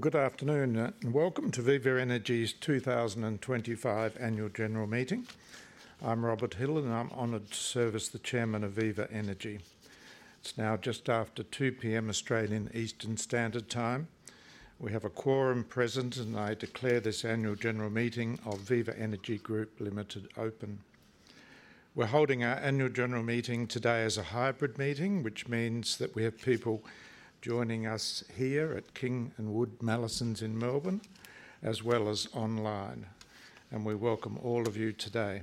Good afternoon and welcome to Viva Energy's 2025 Annual General Meeting. I'm Robert Hill and I'm honored to serve as the Chairman of Viva Energy. It's now just after 2:00 P.M. Australian Eastern Standard Time. We have a quorum present and I declare this Annual General Meeting of Viva Energy Group Limited open. We're holding our Annual General Meeting today as a hybrid meeting, which means that we have people joining us here at King & Wood Mallesons in Melbourne, as well as online. We welcome all of you today.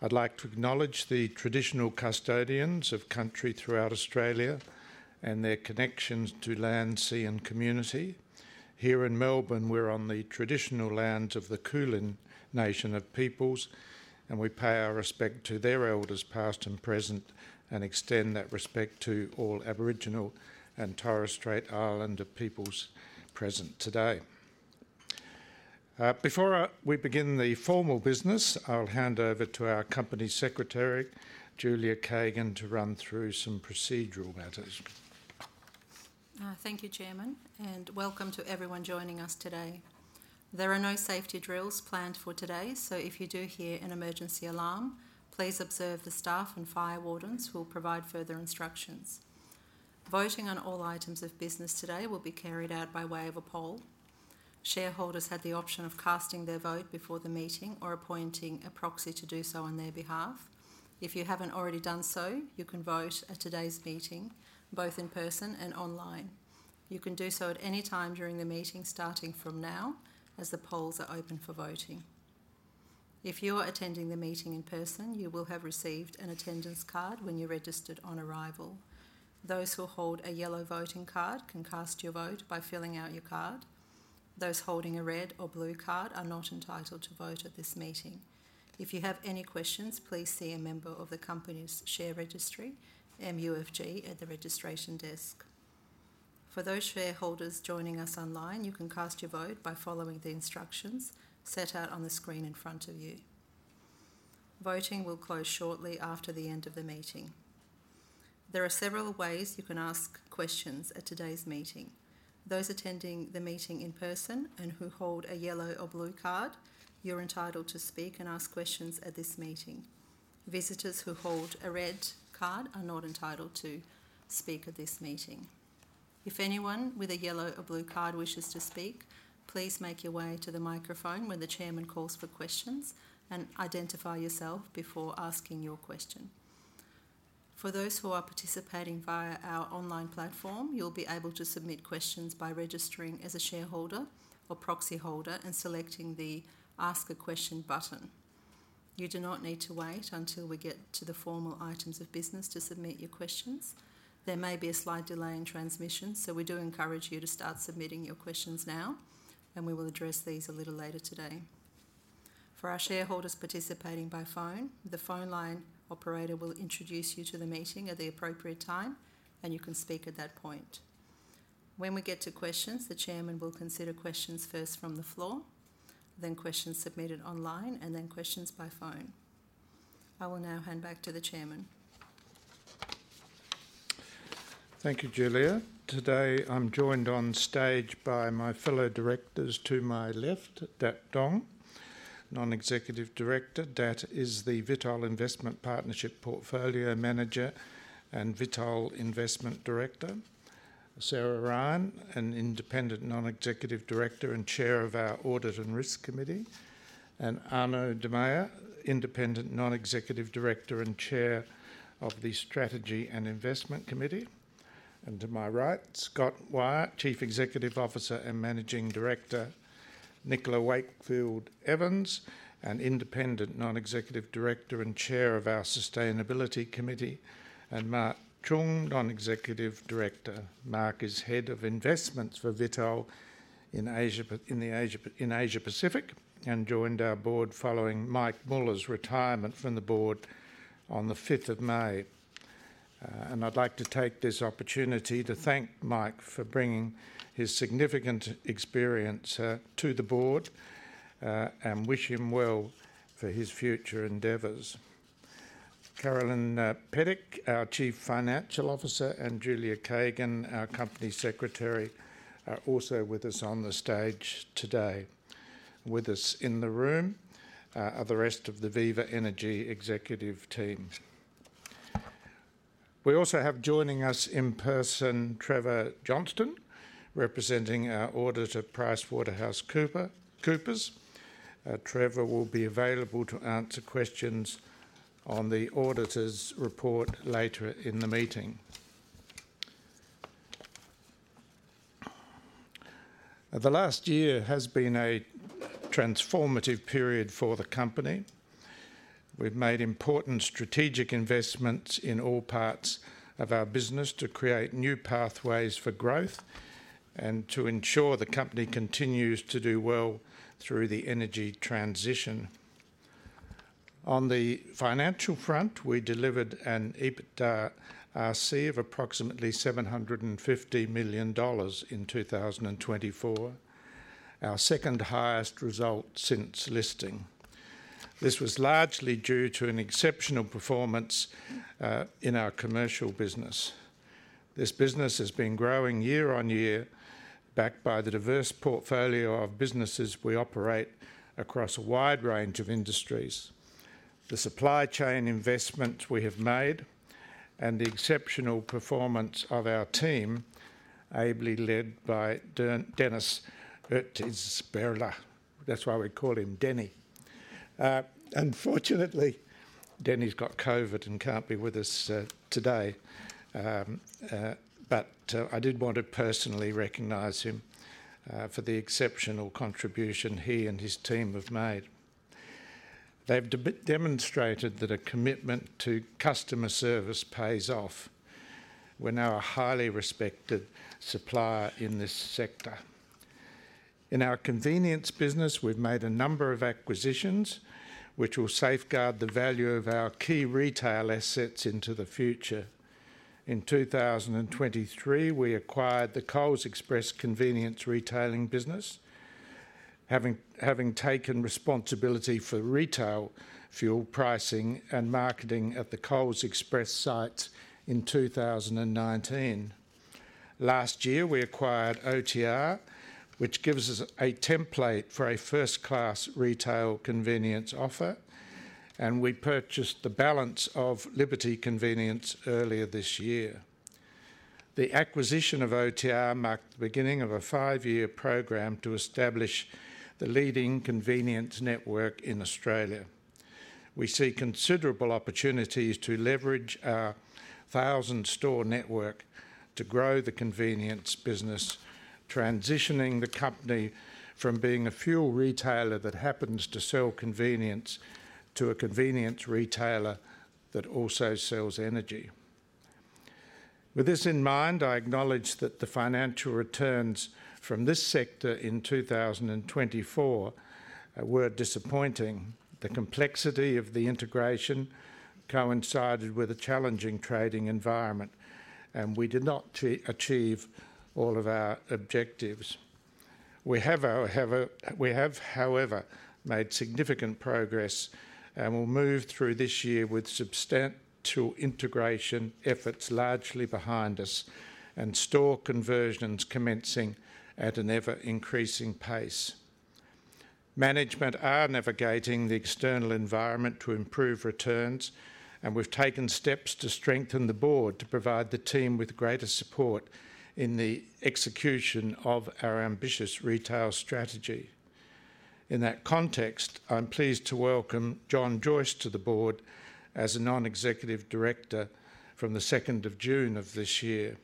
I'd like to acknowledge the traditional custodians of country throughout Australia and their connections to land, sea, and community. Here in Melbourne, we're on the traditional lands of the Kulin Nation of Peoples, and we pay our respect to their elders past and present and extend that respect to all Aboriginal and Torres Strait Islander peoples present today. Before we begin the formal business, I'll hand over to our Company Secretary, Julia Kagan, to run through some procedural matters. Thank you, Chairman, and welcome to everyone joining us today. There are no safety drills planned for today, so if you do hear an emergency alarm, please observe the staff and fire wardens who will provide further instructions. Voting on all items of business today will be carried out by way of a poll. Shareholders have the option of casting their vote before the meeting or appointing a proxy to do so on their behalf. If you have not already done so, you can vote at today's meeting, both in person and online. You can do so at any time during the meeting, starting from now, as the polls are open for voting. If you are attending the meeting in person, you will have received an attendance card when you registered on arrival. Those who hold a yellow voting card can cast your vote by filling out your card. Those holding a red or blue card are not entitled to vote at this meeting. If you have any questions, please see a member of the Company's share registry, MUFG, at the registration desk. For those shareholders joining us online, you can cast your vote by following the instructions set out on the screen in front of you. Voting will close shortly after the end of the meeting. There are several ways you can ask questions at today's meeting. Those attending the meeting in person and who hold a yellow or blue card, you're entitled to speak and ask questions at this meeting. Visitors who hold a red card are not entitled to speak at this meeting. If anyone with a yellow or blue card wishes to speak, please make your way to the microphone when the Chairman calls for questions and identify yourself before asking your question. For those who are participating via our online platform, you'll be able to submit questions by registering as a shareholder or proxy holder and selecting the Ask a Question button. You do not need to wait until we get to the formal items of business to submit your questions. There may be a slight delay in transmission, so we do encourage you to start submitting your questions now, and we will address these a little later today. For our shareholders participating by phone, the phone line operator will introduce you to the meeting at the appropriate time, and you can speak at that point. When we get to questions, the Chairman will consider questions first from the floor, then questions submitted online, and then questions by phone. I will now hand back to the Chairman. Thank you, Julia. Today I'm joined on stage by my fellow directors to my left, Dat Dong, Non-Executive Director. Dat is the Vitol Investment Partnership Portfolio Manager and Vitol Investment Director, Sarah Ryan, an Independent Non-Executive Director and Chair of our Audit and Risk Committee, and Arnoud De Meyer, Independent Non-Executive Director and Chair of the Strategy and Investment Committee. To my right, Scott Wyatt, Chief Executive Officer and Managing Director, Nicola Wakefield Evans, an Independent Non-Executive Director and Chair of our Sustainability Committee, and Mark Chung, Non-Executive Director. Mark is Head of Investments for Vitol in the Asia Pacific and joined our board following Mike Muller's retirement from the board on the 5th of May. I would like to take this opportunity to thank Mike for bringing his significant experience to the board and wish him well for his future endeavors. Carolyn Pedic, our Chief Financial Officer, and Julia Kagan, our Company Secretary, are also with us on the stage today. With us in the room are the rest of the Viva Energy executive team. We also have joining us in person, Trevor Johnston, representing our auditor, PricewaterhouseCoopers. Trevor will be available to answer questions on the auditor's report later in the meeting. The last year has been a transformative period for the company. We've made important strategic investments in all parts of our business to create new pathways for growth and to ensure the company continues to do well through the energy transition. On the financial front, we delivered an EBITDA of approximately 750 million dollars in 2024, our second highest result since listing. This was largely due to an exceptional performance in our commercial business. This business has been growing year on year, backed by the diverse portfolio of businesses we operate across a wide range of industries. The supply chain investment we have made and the exceptional performance of our team, ably led by Dennis Urtizberea, that's why we call him Denny. Unfortunately, Denny's got COVID and can't be with us today, but I did want to personally recognize him for the exceptional contribution he and his team have made. They've demonstrated that a commitment to customer service pays off. We're now a highly respected supplier in this sector. In our convenience business, we've made a number of acquisitions, which will safeguard the value of our key retail assets into the future. In 2023, we acquired the Coles Express convenience retailing business, having taken responsibility for retail fuel pricing and marketing at the Coles Express site in 2019. Last year, we acquired OTR, which gives us a template for a first-class retail convenience offer, and we purchased the balance of Liberty Convenience earlier this year. The acquisition of OTR marked the beginning of a five-year program to establish the leading convenience network in Australia. We see considerable opportunities to leverage our thousand-store network to grow the convenience business, transitioning the company from being a fuel retailer that happens to sell convenience to a convenience retailer that also sells energy. With this in mind, I acknowledge that the financial returns from this sector in 2024 were disappointing. The complexity of the integration coincided with a challenging trading environment, and we did not achieve all of our objectives. We have, however, made significant progress and will move through this year with substantial integration efforts largely behind us and store conversions commencing at an ever-increasing pace. Management are navigating the external environment to improve returns, and we've taken steps to strengthen the board to provide the team with greater support in the execution of our ambitious retail strategy. In that context, I'm pleased to welcome John Joyce to the board as a Non-Executive Director from the 2nd of June of this year.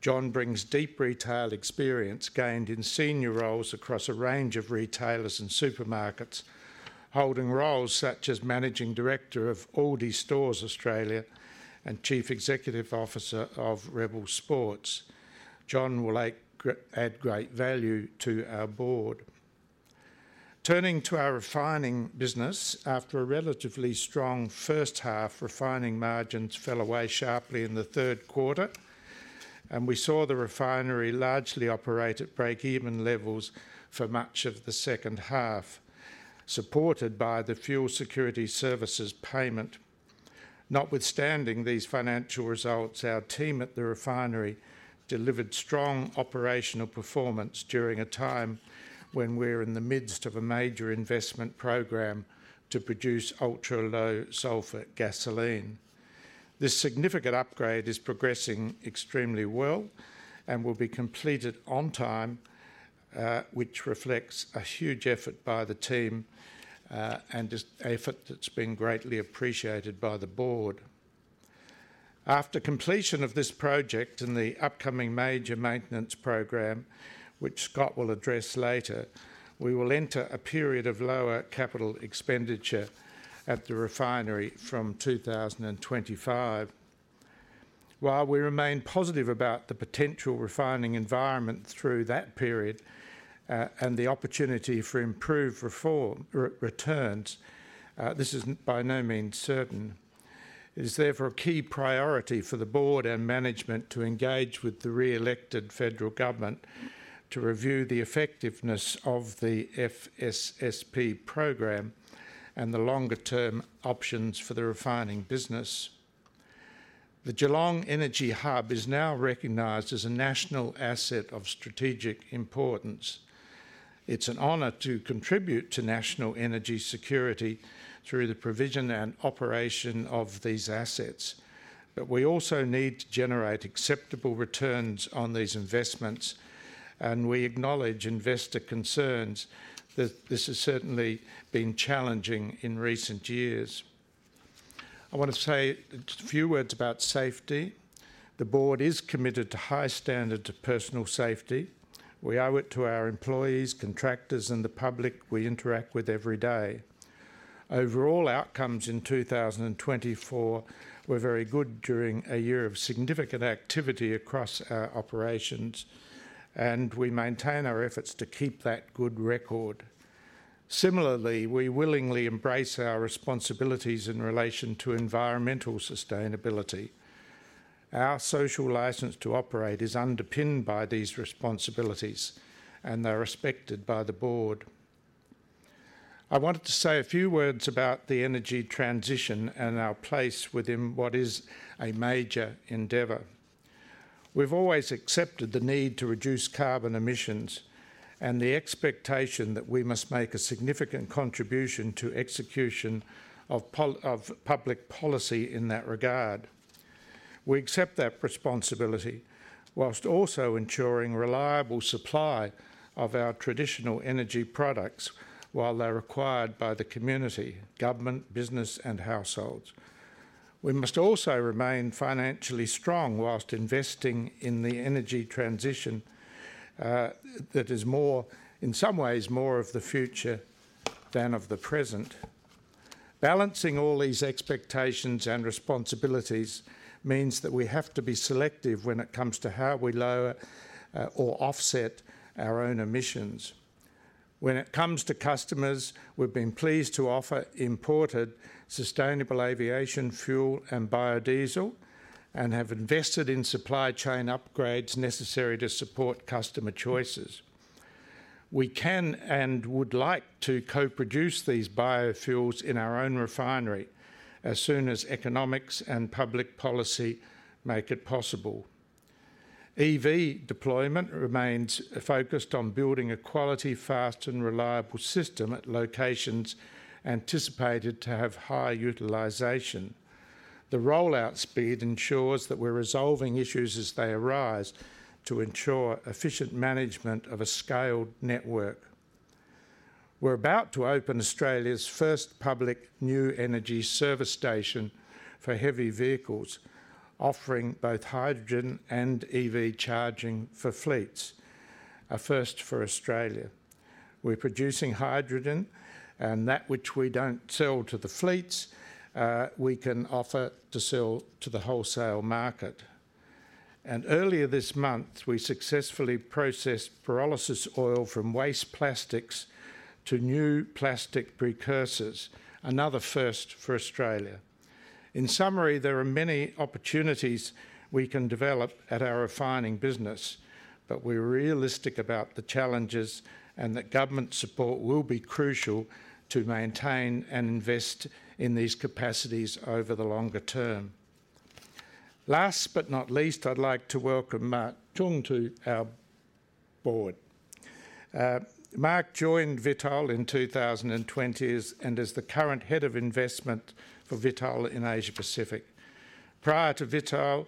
John brings deep retail experience gained in senior roles across a range of retailers and supermarkets, holding roles such as Managing Director of Aldi Stores Australia and Chief Executive Officer of Rebel Sports. John will add great value to our board. Turning to our refining business, after a relatively strong first half, refining margins fell away sharply in the third quarter, and we saw the refinery largely operate at break-even levels for much of the second half, supported by the Fuel Security Services payment. Notwithstanding these financial results, our team at the refinery delivered strong operational performance during a time when we're in the midst of a major investment program to produce ultra-low sulfur gasoline. This significant upgrade is progressing extremely well and will be completed on time, which reflects a huge effort by the team and an effort that's been greatly appreciated by the board. After completion of this project and the upcoming major maintenance program, which Scott will address later, we will enter a period of lower capital expenditure at the refinery from 2025. While we remain positive about the potential refining environment through that period and the opportunity for improved returns, this is by no means certain. It is therefore a key priority for the board and management to engage with the re-elected federal government to review the effectiveness of the FSSP program and the longer-term options for the refining business. The Geelong Energy Hub is now recognized as a national asset of strategic importance. It's an honor to contribute to national energy security through the provision and operation of these assets, but we also need to generate acceptable returns on these investments, and we acknowledge investor concerns that this has certainly been challenging in recent years. I want to say a few words about safety. The Board is committed to high standards of personal safety. We owe it to our employees, contractors, and the public we interact with every day. Overall, outcomes in 2024 were very good during a year of significant activity across our operations, and we maintain our efforts to keep that good record. Similarly, we willingly embrace our responsibilities in relation to environmental sustainability. Our social license to operate is underpinned by these responsibilities, and they're respected by the Board. I wanted to say a few words about the energy transition and our place within what is a major endeavor. We've always accepted the need to reduce carbon emissions and the expectation that we must make a significant contribution to execution of public policy in that regard. We accept that responsibility whilst also ensuring reliable supply of our traditional energy products while they're required by the community, government, business, and households. We must also remain financially strong whilst investing in the energy transition that is, in some ways, more of the future than of the present. Balancing all these expectations and responsibilities means that we have to be selective when it comes to how we lower or offset our own emissions. When it comes to customers, we've been pleased to offer imported sustainable aviation fuel and biodiesel and have invested in supply chain upgrades necessary to support customer choices. We can and would like to co-produce these biofuels in our own refinery as soon as economics and public policy make it possible. EV deployment remains focused on building a quality, fast, and reliable system at locations anticipated to have high utilization. The rollout speed ensures that we're resolving issues as they arise to ensure efficient management of a scaled network. We're about to open Australia's first public new energy service station for heavy vehicles, offering both hydrogen and EV charging for fleets, a first for Australia. We're producing hydrogen, and that which we don't sell to the fleets, we can offer to sell to the wholesale market. Earlier this month, we successfully processed pyrolysis oil from waste plastics to new plastic precursors, another first for Australia. In summary, there are many opportunities we can develop at our refining business, but we're realistic about the challenges and that government support will be crucial to maintain and invest in these capacities over the longer term. Last but not least, I'd like to welcome Mark Chung to our board. Mark joined Vitol in 2020 and is the current Head of Investment for Vitol in Asia Pacific. Prior to Vitol,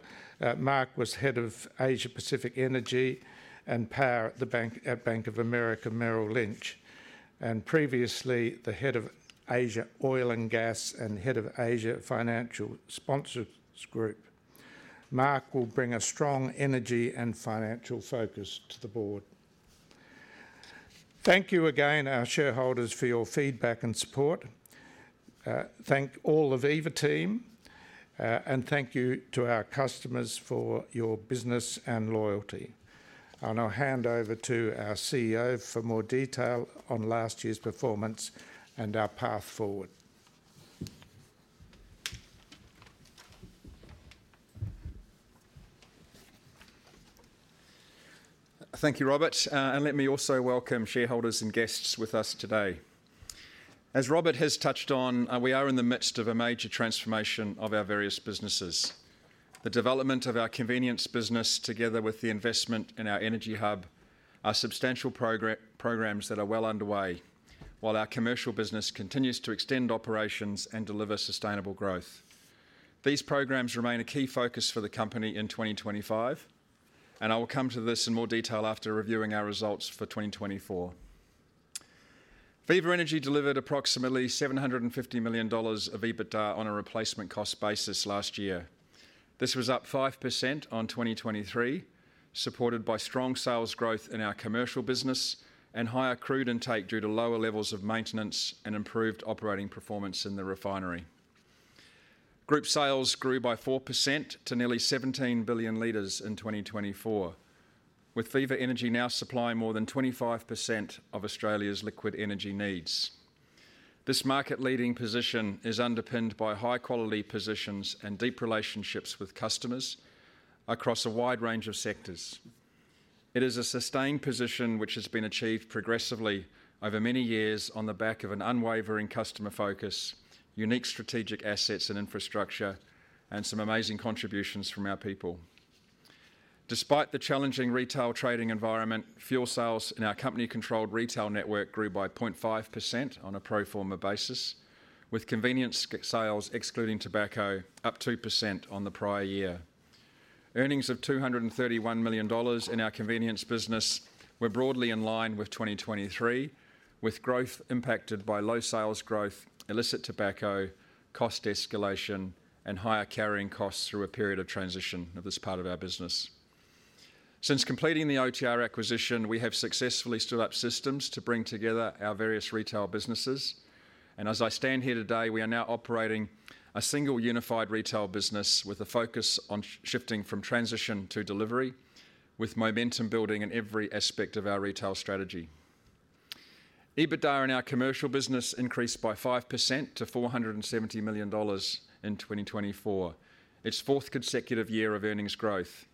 Mark was Head of Asia Pacific Energy and Power at Bank of America Merrill Lynch, and previously the Head of Asia Oil and Gas and Head of Asia Financial Sponsors Group. Mark will bring a strong energy and financial focus to the board. Thank you again, our shareholders, for your feedback and support. Thank all of the Viva team, and thank you to our customers for your business and loyalty. I'll now hand over to our CEO for more detail on last year's performance and our path forward. Thank you, Robert, and let me also welcome shareholders and guests with us today. As Robert has touched on, we are in the midst of a major transformation of our various businesses. The development of our convenience business, together with the investment in our energy hub, are substantial programs that are well underway while our commercial business continues to extend operations and deliver sustainable growth. These programs remain a key focus for the company in 2025, and I will come to this in more detail after reviewing our results for 2024. Viva Energy delivered approximately 750 million dollars of EBITDA on a replacement cost basis last year. This was up 5% on 2023, supported by strong sales growth in our commercial business and higher crude intake due to lower levels of maintenance and improved operating performance in the refinery. Group sales grew by 4% to nearly 17 billion liters in 2024, with Viva Energy now supplying more than 25% of Australia's liquid energy needs. This market-leading position is underpinned by high-quality positions and deep relationships with customers across a wide range of sectors. It is a sustained position which has been achieved progressively over many years on the back of an unwavering customer focus, unique strategic assets and infrastructure, and some amazing contributions from our people. Despite the challenging retail trading environment, fuel sales in our company-controlled retail network grew by 0.5% on a pro forma basis, with convenience sales, excluding tobacco, up 2% on the prior year. Earnings of 231 million dollars in our convenience business were broadly in line with 2023, with growth impacted by low sales growth, illicit tobacco, cost escalation, and higher carrying costs through a period of transition of this part of our business. Since completing the OTR acquisition, we have successfully stood up systems to bring together our various retail businesses, and as I stand here today, we are now operating a single unified retail business with a focus on shifting from transition to delivery, with momentum building in every aspect of our retail strategy. EBITDA in our commercial business increased by 5% to 470 million dollars in 2024, its fourth consecutive year of earnings growth.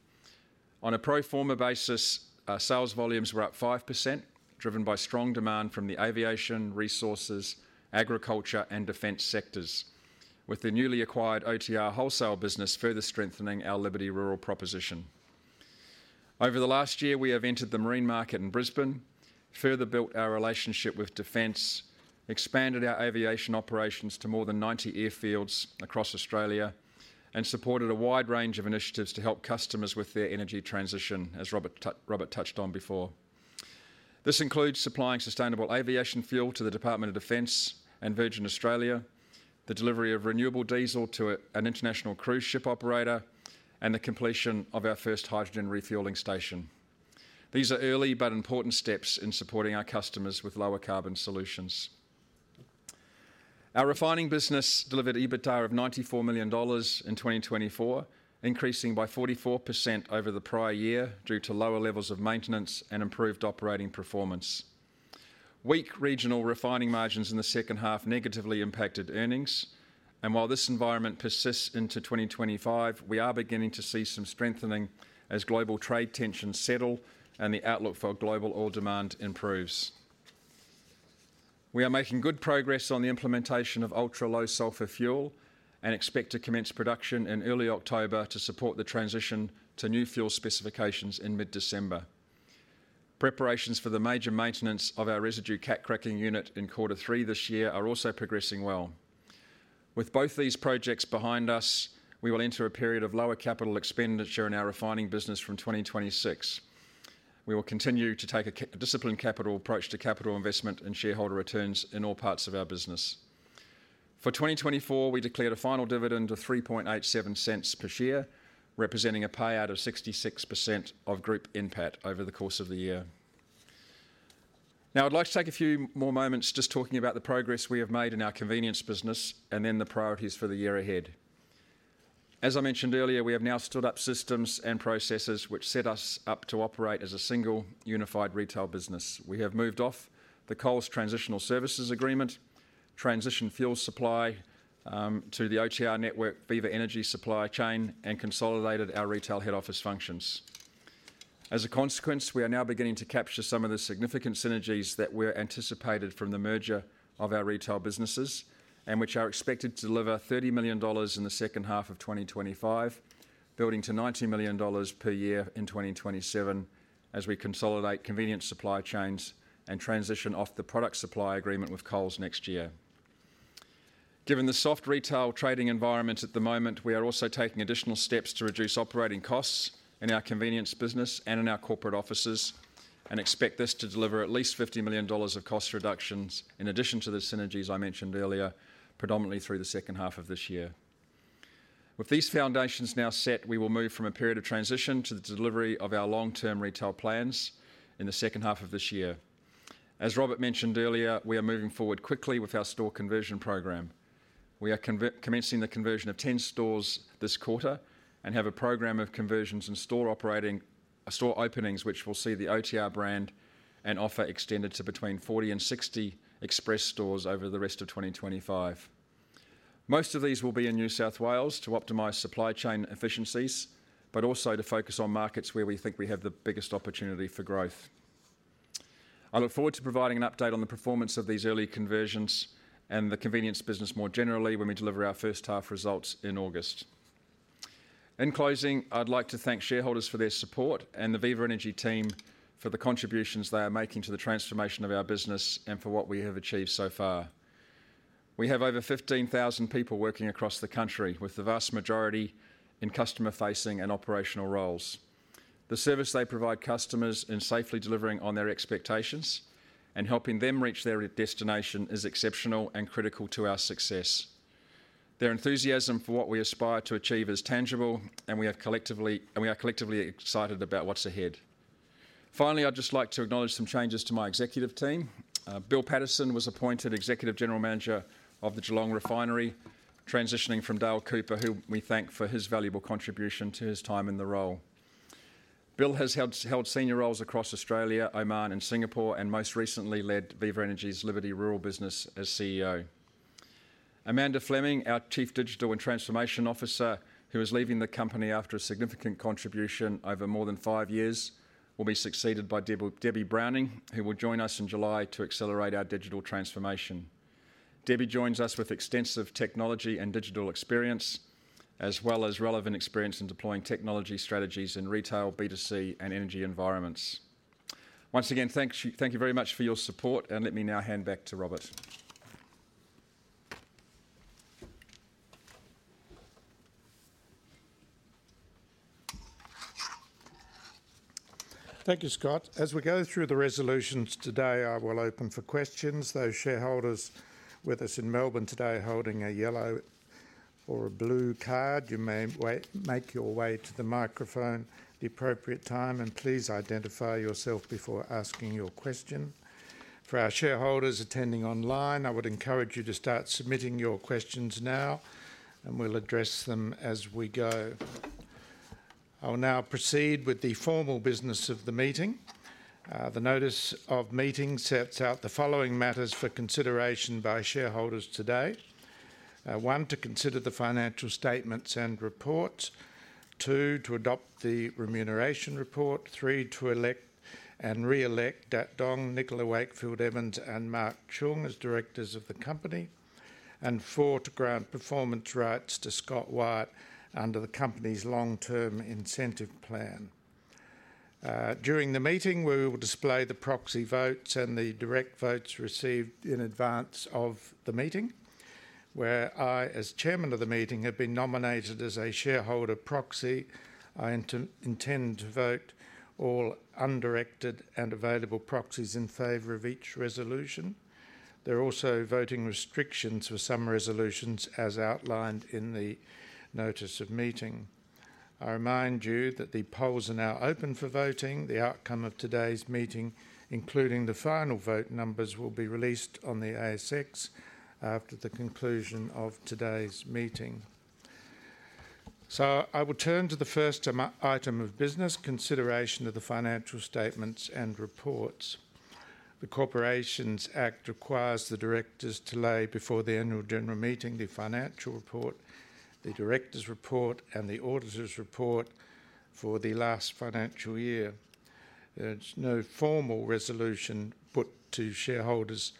On a pro forma basis, sales volumes were up 5%, driven by strong demand from the aviation, resources, agriculture, and defense sectors, with the newly acquired OTR wholesale business further strengthening our Liberty Rural proposition. Over the last year, we have entered the marine market in Brisbane, further built our relationship with defense, expanded our aviation operations to more than 90 airfields across Australia, and supported a wide range of initiatives to help customers with their energy transition, as Robert touched on before. This includes supplying sustainable aviation fuel to the Department of Defense and Virgin Australia, the delivery of renewable diesel to an international cruise ship operator, and the completion of our first hydrogen refueling station. These are early but important steps in supporting our customers with lower carbon solutions. Our refining business delivered EBITDA of 94 million dollars in 2024, increasing by 44% over the prior year due to lower levels of maintenance and improved operating performance. Weak regional refining margins in the second half negatively impacted earnings, and while this environment persists into 2025, we are beginning to see some strengthening as global trade tensions settle and the outlook for global oil demand improves. We are making good progress on the implementation of ultra-low sulfur fuel and expect to commence production in early October to support the transition to new fuel specifications in mid-December. Preparations for the major maintenance of our residue cat-cracking unit in quarter three this year are also progressing well. With both these projects behind us, we will enter a period of lower capital expenditure in our refining business from 2026. We will continue to take a disciplined capital approach to capital investment and shareholder returns in all parts of our business. For 2024, we declared a final dividend of 0.0387 per share, representing a payout of 66% of Group NPAT over the course of the year. Now, I'd like to take a few more moments just talking about the progress we have made in our convenience business and then the priorities for the year ahead. As I mentioned earlier, we have now stood up systems and processes which set us up to operate as a single unified retail business. We have moved off the Coles Transitional Services Agreement, transitioned fuel supply to the OTR network, Viva Energy supply chain, and consolidated our retail head office functions. As a consequence, we are now beginning to capture some of the significant synergies that were anticipated from the merger of our retail businesses and which are expected to deliver 30 million dollars in the second half of 2025, building to 90 million dollars per year in 2027 as we consolidate convenience supply chains and transition off the product supply agreement with Coles next year. Given the soft retail trading environment at the moment, we are also taking additional steps to reduce operating costs in our convenience business and in our corporate offices and expect this to deliver at least 50 million dollars of cost reductions in addition to the synergies I mentioned earlier, predominantly through the second half of this year. With these foundations now set, we will move from a period of transition to the delivery of our long-term retail plans in the second half of this year. As Robert mentioned earlier, we are moving forward quickly with our store conversion program. We are commencing the conversion of 10 stores this quarter and have a program of conversions and store openings which will see the OTR brand and offer extended to between 40-60 express stores over the rest of 2025. Most of these will be in New South Wales to optimize supply chain efficiencies, but also to focus on markets where we think we have the biggest opportunity for growth. I look forward to providing an update on the performance of these early conversions and the convenience business more generally when we deliver our first half results in August. In closing, I'd like to thank shareholders for their support and the Viva Energy team for the contributions they are making to the transformation of our business and for what we have achieved so far. We have over 15,000 people working across the country, with the vast majority in customer-facing and operational roles. The service they provide customers in safely delivering on their expectations and helping them reach their destination is exceptional and critical to our success. Their enthusiasm for what we aspire to achieve is tangible, and we are collectively excited about what's ahead. Finally, I'd just like to acknowledge some changes to my executive team. Bill Patterson was appointed Executive General Manager of the Geelong Refinery, transitioning from Dale Cooper, whom we thank for his valuable contribution to his time in the role. Bill has held senior roles across Australia, Oman, and Singapore, and most recently led Viva Energy's Liberty Rural business as CEO. Amanda Fleming, our Chief Digital and Transformation Officer, who is leaving the company after a significant contribution over more than five years, will be succeeded by Debbie Browning, who will join us in July to accelerate our digital transformation. Debbie joins us with extensive technology and digital experience, as well as relevant experience in deploying technology strategies in retail, B2C, and energy environments. Once again, thank you very much for your support, and let me now hand back to Robert. Thank you, Scott. As we go through the resolutions today, I will open for questions. Those shareholders with us in Melbourne today holding a yellow or a blue card, you may make your way to the microphone at the appropriate time, and please identify yourself before asking your question. For our shareholders attending online, I would encourage you to start submitting your questions now, and we'll address them as we go. I will now proceed with the formal business of the meeting. The notice of meeting sets out the following matters for consideration by shareholders today: one, to consider the financial statements and reports; two, to adopt the remuneration report; three, to elect and re-elect Dat Dong, Nicola Wakefield Evans, and Mark Chung as directors of the company; and four, to grant performance rights to Scott Wyatt under the company's long-term incentive plan. During the meeting, we will display the proxy votes and the direct votes received in advance of the meeting, where I, as Chairman of the meeting, have been nominated as a shareholder proxy. I intend to vote all undirected and available proxies in favor of each resolution. There are also voting restrictions for some resolutions, as outlined in the notice of meeting. I remind you that the polls are now open for voting. The outcome of today's meeting, including the final vote numbers, will be released on the ASX after the conclusion of today's meeting. I will turn to the first item of business, consideration of the financial statements and reports. The Corporations Act requires the directors to lay before the Annual General Meeting the financial report, the director's report, and the auditor's report for the last financial year. There's no formal resolution put to shareholders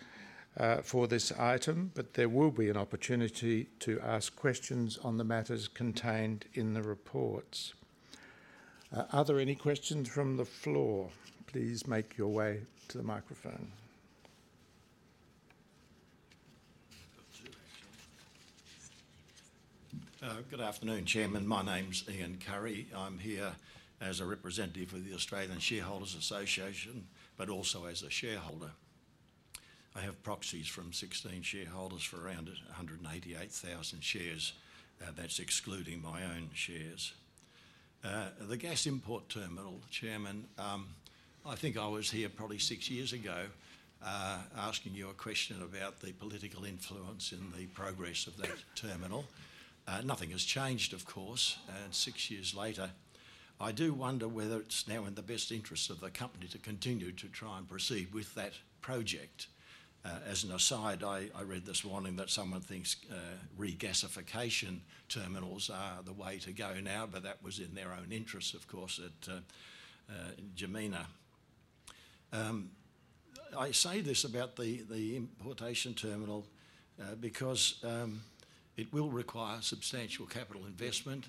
for this item, but there will be an opportunity to ask questions on the matters contained in the reports. Are there any questions from the floor? Please make your way to the microphone. Good afternoon, Chairman. My name's Ian Curry. I'm here as a representative of the Australian Shareholders Association, but also as a shareholder. I have proxies from 16 shareholders for around 188,000 shares. That's excluding my own shares. The gas import terminal, Chairman, I think I was here probably six years ago asking you a question about the political influence in the progress of that terminal. Nothing has changed, of course, six years later. I do wonder whether it's now in the best interest of the company to continue to try and proceed with that project. As an aside, I read this warning that someone thinks regassification terminals are the way to go now, but that was in their own interest, of course, at Jemena. I say this about the importation terminal because it will require substantial capital investment.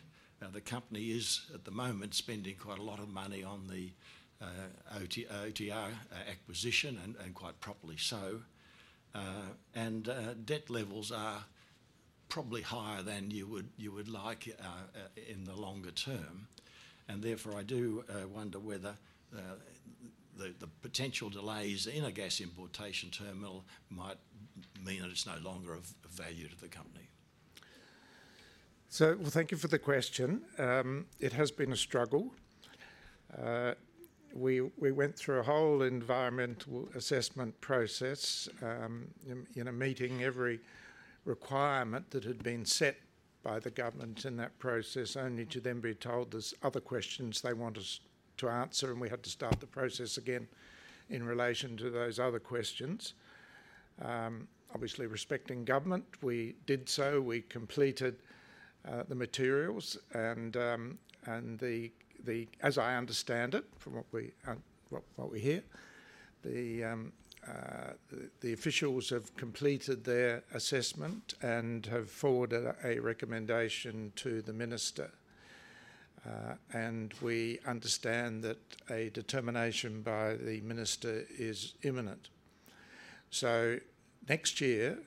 The company is, at the moment, spending quite a lot of money on the OTR acquisition, and quite properly so. Debt levels are probably higher than you would like in the longer term. Therefore, I do wonder whether the potential delays in a gas importation terminal might mean that it's no longer of value to the company. Thank you for the question. It has been a struggle. We went through a whole environmental assessment process in a meeting, every requirement that had been set by the government in that process, only to then be told there are other questions they want us to answer, and we had to start the process again in relation to those other questions. Obviously, respecting government, we did so. We completed the materials, and as I understand it from what we hear, the officials have completed their assessment and have forwarded a recommendation to the minister. We understand that a determination by the minister is imminent. Next year,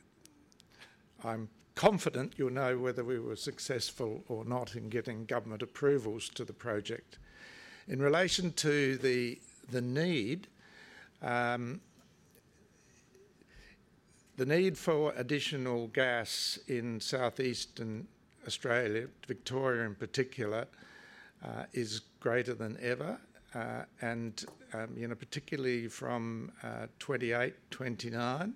I'm confident you'll know whether we were successful or not in getting government approvals to the project. In relation to the need, the need for additional gas in southeastern Australia, Victoria in particular, is greater than ever, and particularly from 2028-2029.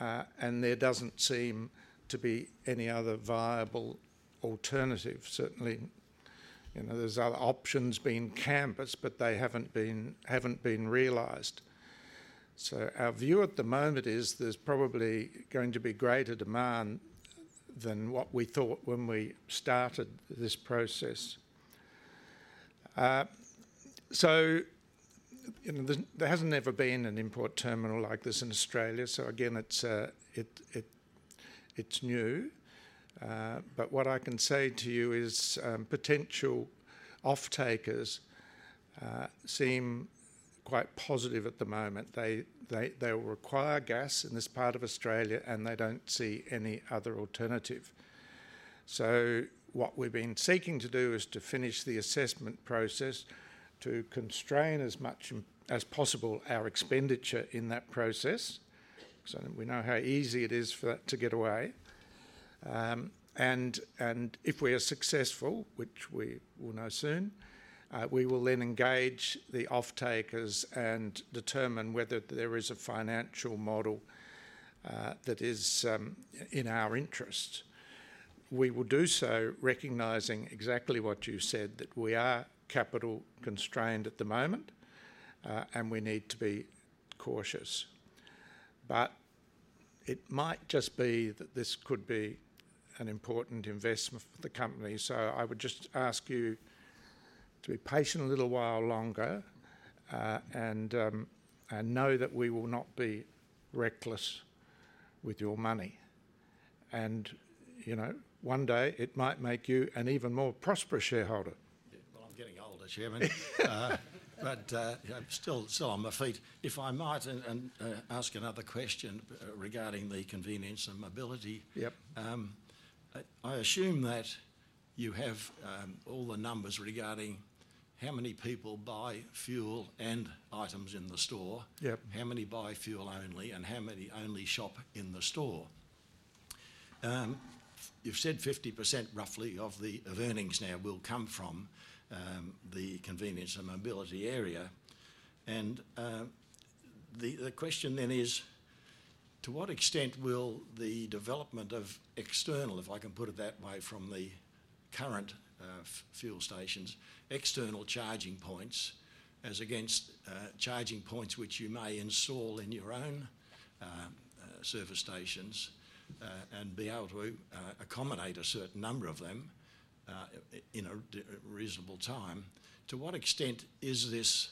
There doesn't seem to be any other viable alternative. Certainly, there are other options being canvassed, but they haven't been realized. Our view at the moment is there's probably going to be greater demand than what we thought when we started this process. There hasn't ever been an import terminal like this in Australia. Again, it's new. What I can say to you is potential off-takers seem quite positive at the moment. They will require gas in this part of Australia, and they do not see any other alternative. What we have been seeking to do is to finish the assessment process to constrain as much as possible our expenditure in that process because we know how easy it is for that to get away. If we are successful, which we will know soon, we will then engage the off-takers and determine whether there is a financial model that is in our interest. We will do so, recognizing exactly what you said, that we are capital constrained at the moment, and we need to be cautious. It might just be that this could be an important investment for the company. I would just ask you to be patient a little while longer and know that we will not be reckless with your money. One day, it might make you an even more prosperous shareholder. I'm getting older, Chairman, but still on my feet. If I might ask another question regarding the convenience and mobility, I assume that you have all the numbers regarding how many people buy fuel and items in the store, how many buy fuel only, and how many only shop in the store. You've said 50% roughly of earnings now will come from the convenience and mobility area. The question then is, to what extent will the development of external, if I can put it that way, from the current fuel stations, external charging points as against charging points which you may install in your own service stations and be able to accommodate a certain number of them in a reasonable time, to what extent is this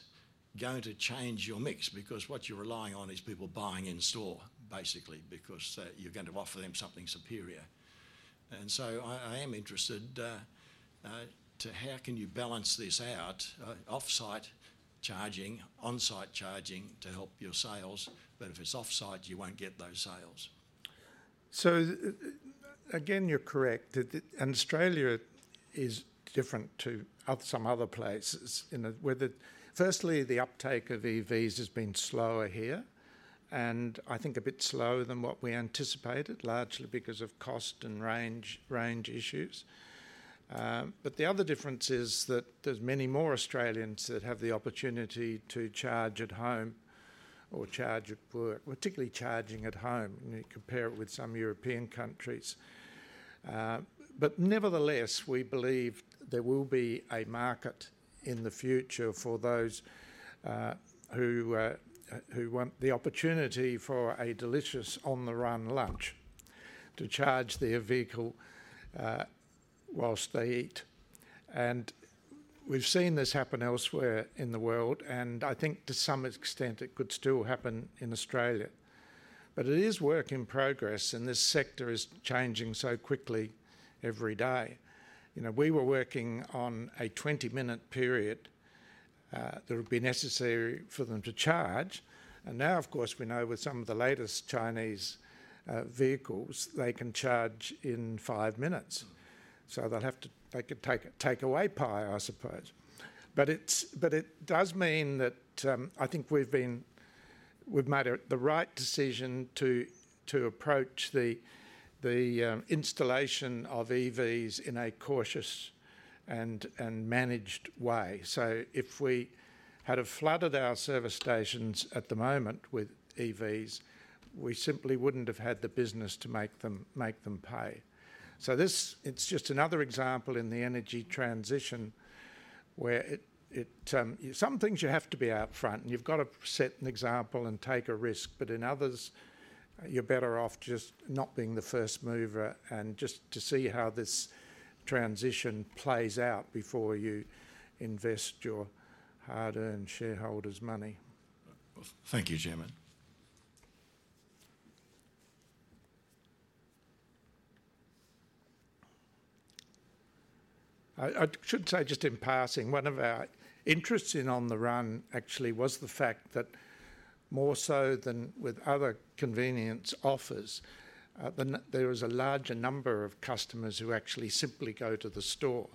going to change your mix? Because what you're relying on is people buying in store, basically, because you're going to offer them something superior. I am interested to how can you balance this out, off-site charging, on-site charging to help your sales, but if it's off-site, you won't get those sales. Again you are correct. Australia is different to some other places. Firstly, the uptake of EVs has been slower here, and I think a bit slower than what we anticipated, largely because of cost and range issues. The other difference is that there are many more Australians that have the opportunity to charge at home or charge at work, particularly charging at home. You compare it with some European countries. Nevertheless, we believe there will be a market in the future for those who want the opportunity for a delicious on-the-run lunch to charge their vehicle whilst they eat. We have seen this happen elsewhere in the world, and I think to some extent it could still happen in Australia. It is work in progress, and this sector is changing so quickly every day. We were working on a 20-minute period that would be necessary for them to charge. Of course, we know with some of the latest Chinese vehicles, they can charge in five minutes. They could take away pie, I suppose. It does mean that I think we've made the right decision to approach the installation of EVs in a cautious and managed way. If we had flooded our service stations at the moment with EVs, we simply wouldn't have had the business to make them pay. It is just another example in the energy transition where some things you have to be out front, and you've got to set an example and take a risk, but in others, you're better off just not being the first mover and just to see how this transition plays out before you invest your hard-earned shareholders' money. Thank you, Chairman. I should say just in passing, one of our interests in OTR actually was the fact that more so than with other convenience offers, there was a larger number of customers who actually simply go to the store.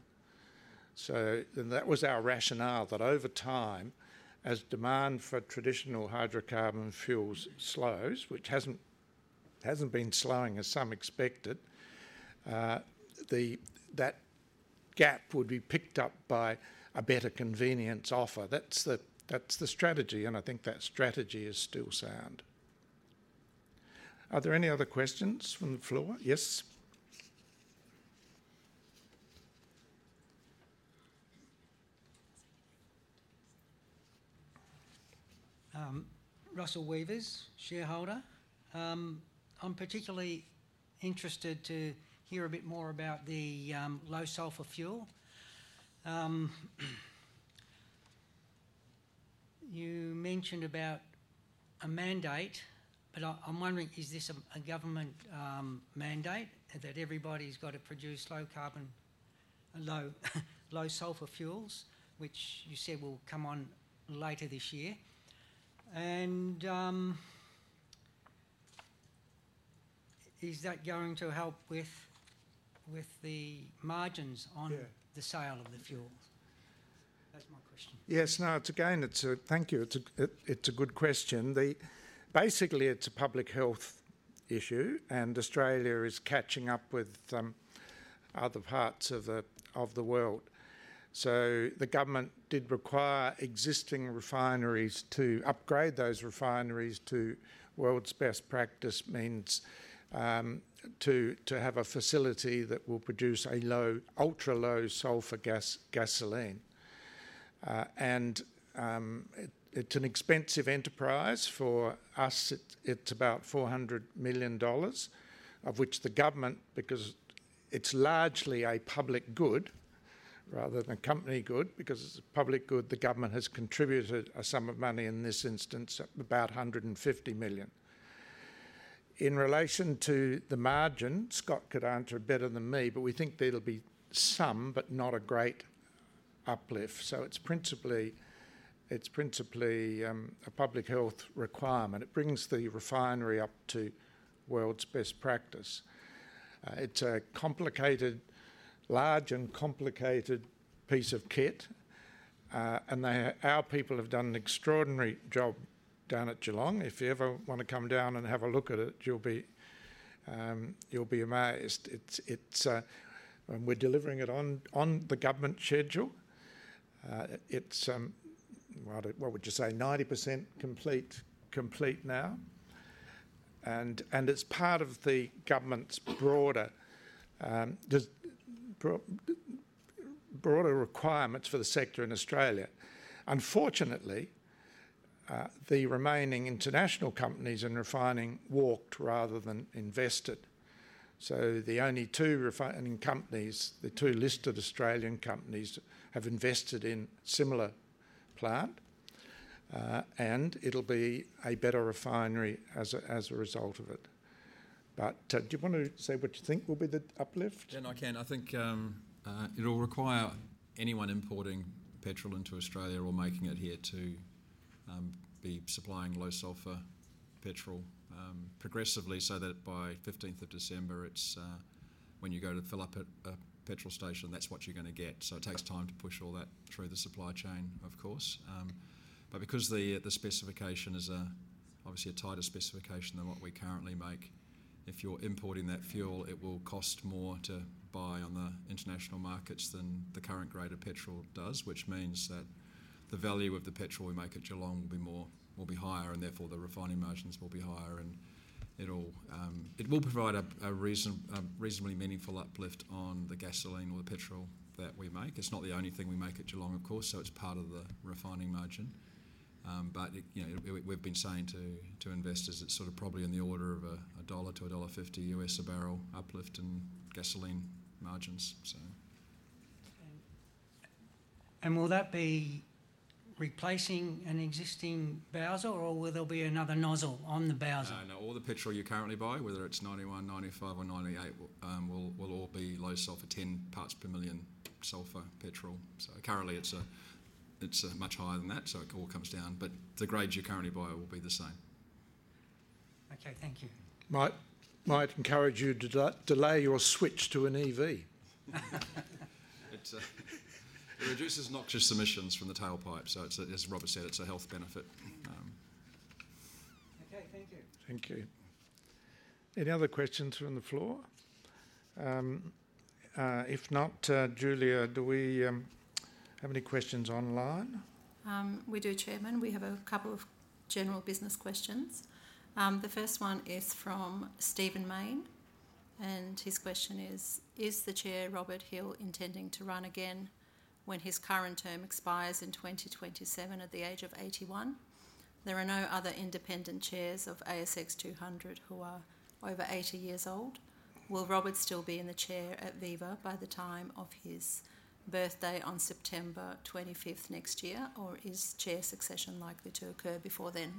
That was our rationale that over time, as demand for traditional hydrocarbon fuels slows, which has not been slowing as some expected, that gap would be picked up by a better convenience offer. That is the strategy, and I think that strategy is still sound. Are there any other questions from the floor? Yes. Russell Weavers, shareholder. I am particularly interested to hear a bit more about the low sulfur fuel. You mentioned about a mandate, but I am wondering, is this a government mandate that everybody has got to produce low carbon, low sulfur fuels, which you said will come on later this year? Is that going to help with the margins on the sale of the fuels? That's my question. Yes. No, thank you. It's a good question. Basically, it's a public health issue, and Australia is catching up with other parts of the world. The government did require existing refineries to upgrade those refineries to world's best practice, which means to have a facility that will produce a low, ultra-low sulfur gasoline. It's an expensive enterprise. For us, it's about 400 million dollars, of which the government, because it's largely a public good rather than a company good, has contributed a sum of money in this instance of about 150 million. In relation to the margin, Scott could answer better than me, but we think there will be some, but not a great uplift. It's principally a public health requirement. It brings the refinery up to world's best practice. It's a large and complicated piece of kit, and our people have done an extraordinary job down at Geelong. If you ever want to come down and have a look at it, you'll be amazed. We're delivering it on the government schedule. It's, what would you say, 90% complete now. It's part of the government's broader requirements for the sector in Australia. Unfortunately, the remaining international companies in refining walked rather than invested. The only two refining companies, the two listed Australian companies, have invested in a similar plant, and it'll be a better refinery as a result of it. Do you want to say what you think will be the uplift? I can. I think it'll require anyone importing petrol into Australia or making it here to be supplying low sulfur petrol progressively so that by 15th of December, when you go to fill up at a petrol station, that's what you're going to get. It takes time to push all that through the supply chain, of course. Because the specification is obviously a tighter specification than what we currently make, if you're importing that fuel, it will cost more to buy on the international markets than the current grade of petrol does, which means that the value of the petrol we make at Geelong will be higher, and therefore the refining margins will be higher. It will provide a reasonably meaningful uplift on the gasoline or the petrol that we make. It's not the only thing we make at Geelong, of course, so it's part of the refining margin. We have been saying to investors it is probably in the order of $1 to $1.50 a barrel uplift in gasoline margins. Will that be replacing an existing Bowser, or will there be another nozzle on the Bowser? No. All the petrol you currently buy, whether it is 91, 95, or 98, will all be low sulfur, 10 parts per million sulfur petrol. Currently, it is much higher than that, so it all comes down. The grades you currently buy will be the same. Thank you. Might encourage you to delay your switch to an EV. It reduces noxious emissions from the tailpipe. As Robert said, it is a health benefit. Thank you. Thank you. Any other questions from the floor? If not, Julia, do we have any questions online? We do, Chairman. We have a couple of general business questions. The first one is from Stephen Main, and his question is, is the Chair Robert Hill intending to run again when his current term expires in 2027 at the age of 81? There are no other independent chairs of ASX 200 who are over 80 years old. Will Robert still be in the Chair at Viva by the time of his birthday on September 25th next year, or is Chair succession likely to occur before then?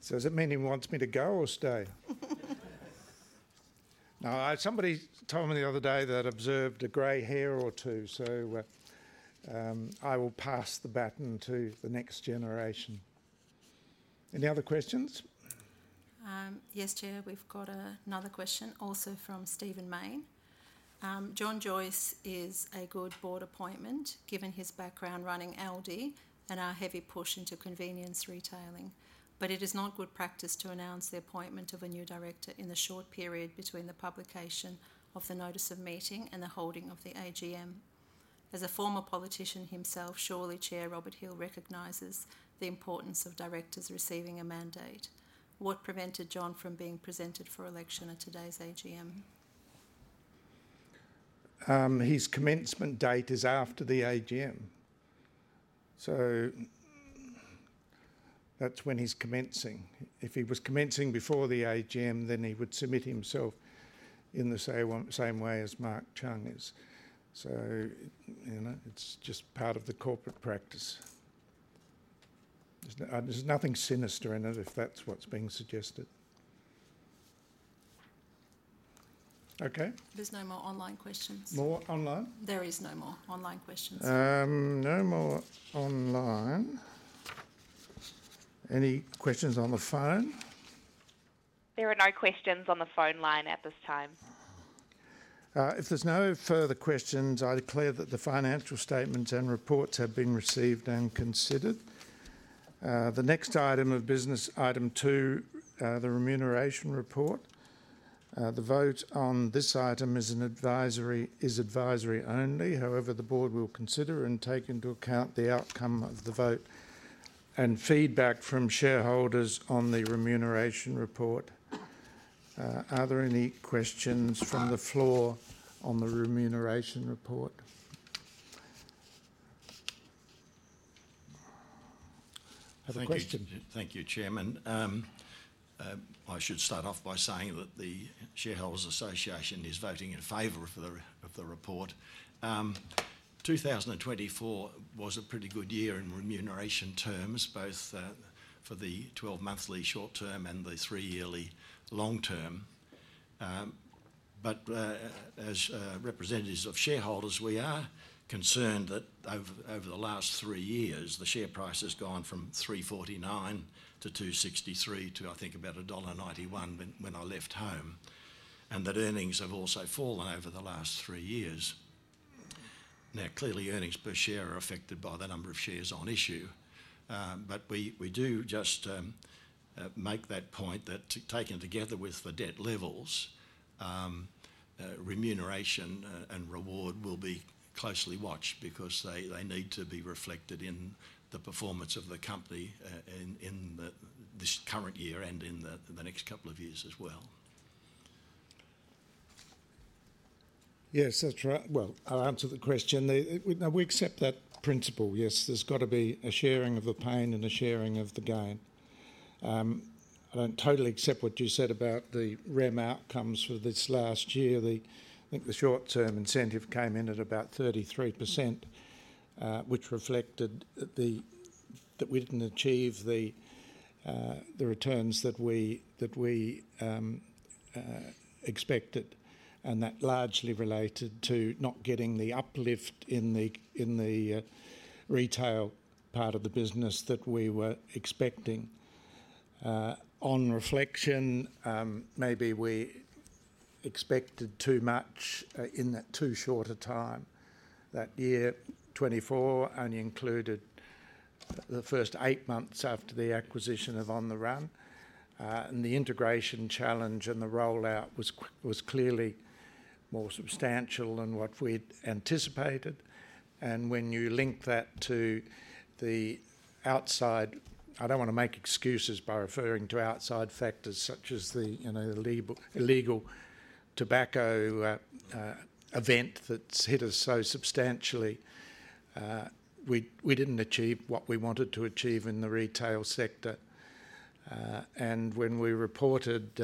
So does it mean he wants me to go or stay? No. Somebody told me the other day that I observed a gray hair or two, so I will pass the baton to the next generation. Any other questions? Yes, Chair. We've got another question also from Stephen Main. John Joyce is a good board appointment given his background running LD and our heavy push into convenience retailing. It is not good practice to announce the appointment of a new director in the short period between the publication of the notice of meeting and the holding of the AGM. As a former politician himself, surely Chair Robert Hill recognizes the importance of directors receiving a mandate. What prevented John from being presented for election at today's AGM? His commencement date is after the AGM. That is when he is commencing. If he was commencing before the AGM, then he would submit himself in the same way as Mark Chung is. It is just part of the corporate practice. There is nothing sinister in it if that is what is being suggested. Okay. There are no more online questions. More online? There are no more online questions. No more online. Any questions on the phone? There are no questions on the phone line at this time. If there's no further questions, I declare that the financial statements and reports have been received and considered. The next item of business, item two, the remuneration report. The vote on this item is advisory only. However, the board will consider and take into account the outcome of the vote and feedback from shareholders on the remuneration report. Are there any questions from the floor on the remuneration report? Have a question? Thank you, Chairman. I should start off by saying that the Shareholders Association is voting in favor of the report. 2024 was a pretty good year in remuneration terms, both for the 12-monthly short term and the three-yearly long term. As representatives of shareholders, we are concerned that over the last three years, the share price has gone from 3.49 to 2.63 to, I think, about dollar 1.91 when I left home, and that earnings have also fallen over the last three years. Now, clearly, earnings per share are affected by the number of shares on issue. We do just make that point that taken together with the debt levels, remuneration and reward will be closely watched because they need to be reflected in the performance of the company in this current year and in the next couple of years as well. Yes. I will answer the question. We accept that principle. Yes, there has got to be a sharing of the pain and a sharing of the gain. I do not totally accept what you said about the REM outcomes for this last year. I think the short-term incentive came in at about 33%, which reflected that we didn't achieve the returns that we expected, and that largely related to not getting the uplift in the retail part of the business that we were expecting. On reflection, maybe we expected too much in that too short a time. That year 2024 only included the first eight months after the acquisition of On The Run, and the integration challenge and the rollout was clearly more substantial than what we'd anticipated. When you link that to the outside—I don't want to make excuses by referring to outside factors such as the illegal tobacco event that's hit us so substantially—we didn't achieve what we wanted to achieve in the retail sector. When we reported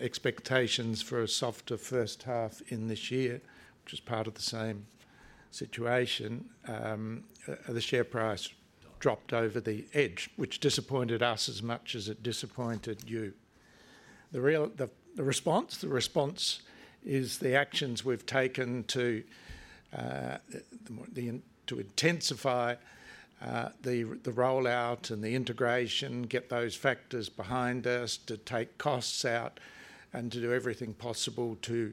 expectations for a softer first half in this year, which was part of the same situation, the share price dropped over the edge, which disappointed us as much as it disappointed you. The response is the actions we have taken to intensify the rollout and the integration, get those factors behind us to take costs out and to do everything possible to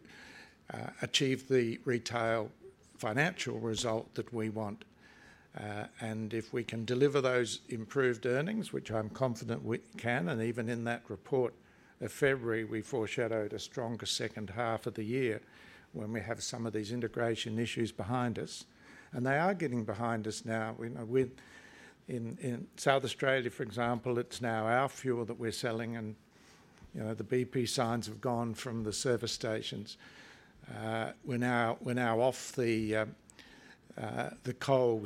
achieve the retail financial result that we want. If we can deliver those improved earnings, which I am confident we can, and even in that report of February, we foreshadowed a stronger second half of the year when we have some of these integration issues behind us. They are getting behind us now. In South Australia, for example, it is now our fuel that we are selling, and the BP signs have gone from the service stations. We are now off the coal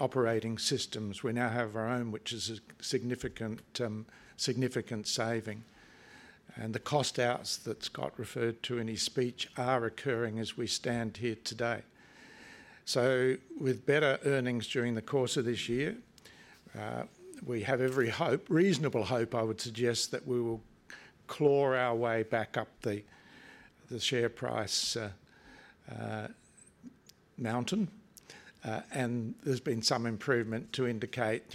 operating systems. We now have our own, which is a significant saving. The cost-outs that Scott referred to in his speech are occurring as we stand here today. With better earnings during the course of this year, we have every hope, reasonable hope, I would suggest, that we will claw our way back up the share price mountain. There has been some improvement to indicate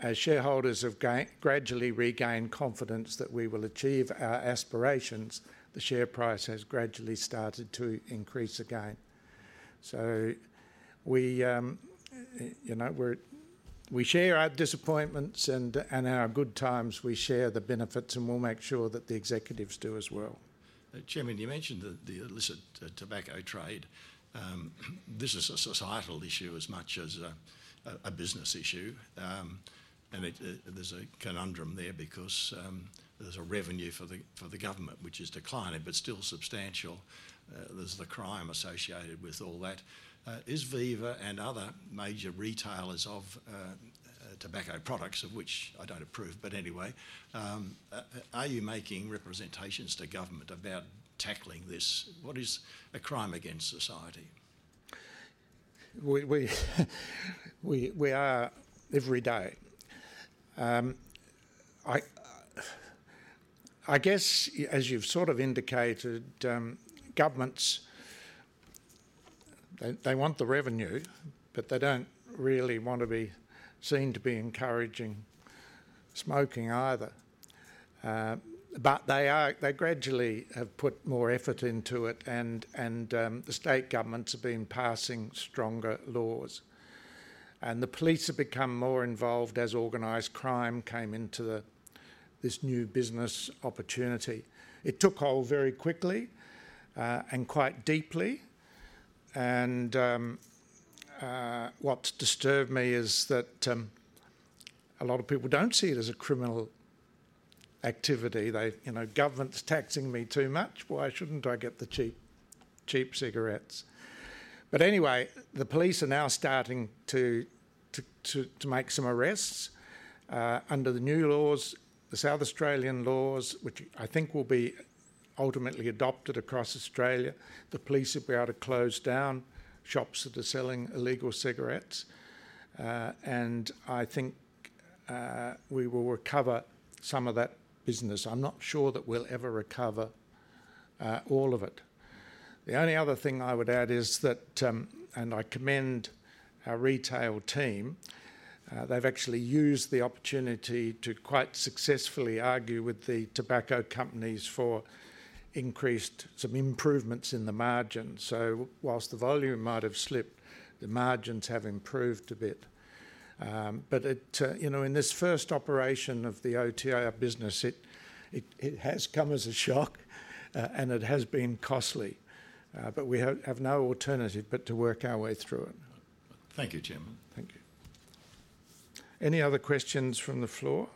as shareholders have gradually regained confidence that we will achieve our aspirations, the share price has gradually started to increase again. We share our disappointments and our good times. We share the benefits, and we'll make sure that the executives do as well. Chairman, you mentioned the illicit tobacco trade. This is a societal issue as much as a business issue. There is a conundrum there because there is a revenue for the government, which is declining, but still substantial. There's the crime associated with all that. Is Viva and other major retailers of tobacco products, of which I don't approve, but anyway, are you making representations to government about tackling this? What is a crime against society? We are every day. I guess, as you've sort of indicated, governments, they want the revenue, but they don't really want to be seen to be encouraging smoking either. They gradually have put more effort into it, and the state governments have been passing stronger laws. The police have become more involved as organized crime came into this new business opportunity. It took hold very quickly and quite deeply. What disturbed me is that a lot of people don't see it as a criminal activity. Government's taxing me too much. Why shouldn't I get the cheap cigarettes? Anyway, the police are now starting to make some arrests. Under the new laws, the South Australian laws, which I think will be ultimately adopted across Australia, the police will be able to close down shops that are selling illegal cigarettes. I think we will recover some of that business. I'm not sure that we'll ever recover all of it. The only other thing I would add is that, and I commend our retail team, they've actually used the opportunity to quite successfully argue with the tobacco companies for some improvements in the margins. So whilst the volume might have slipped, the margins have improved a bit. In this first operation of the OTR business, it has come as a shock, and it has been costly. We have no alternative but to work our way through it. Thank you, Chairman. Thank you. Any other questions from the floor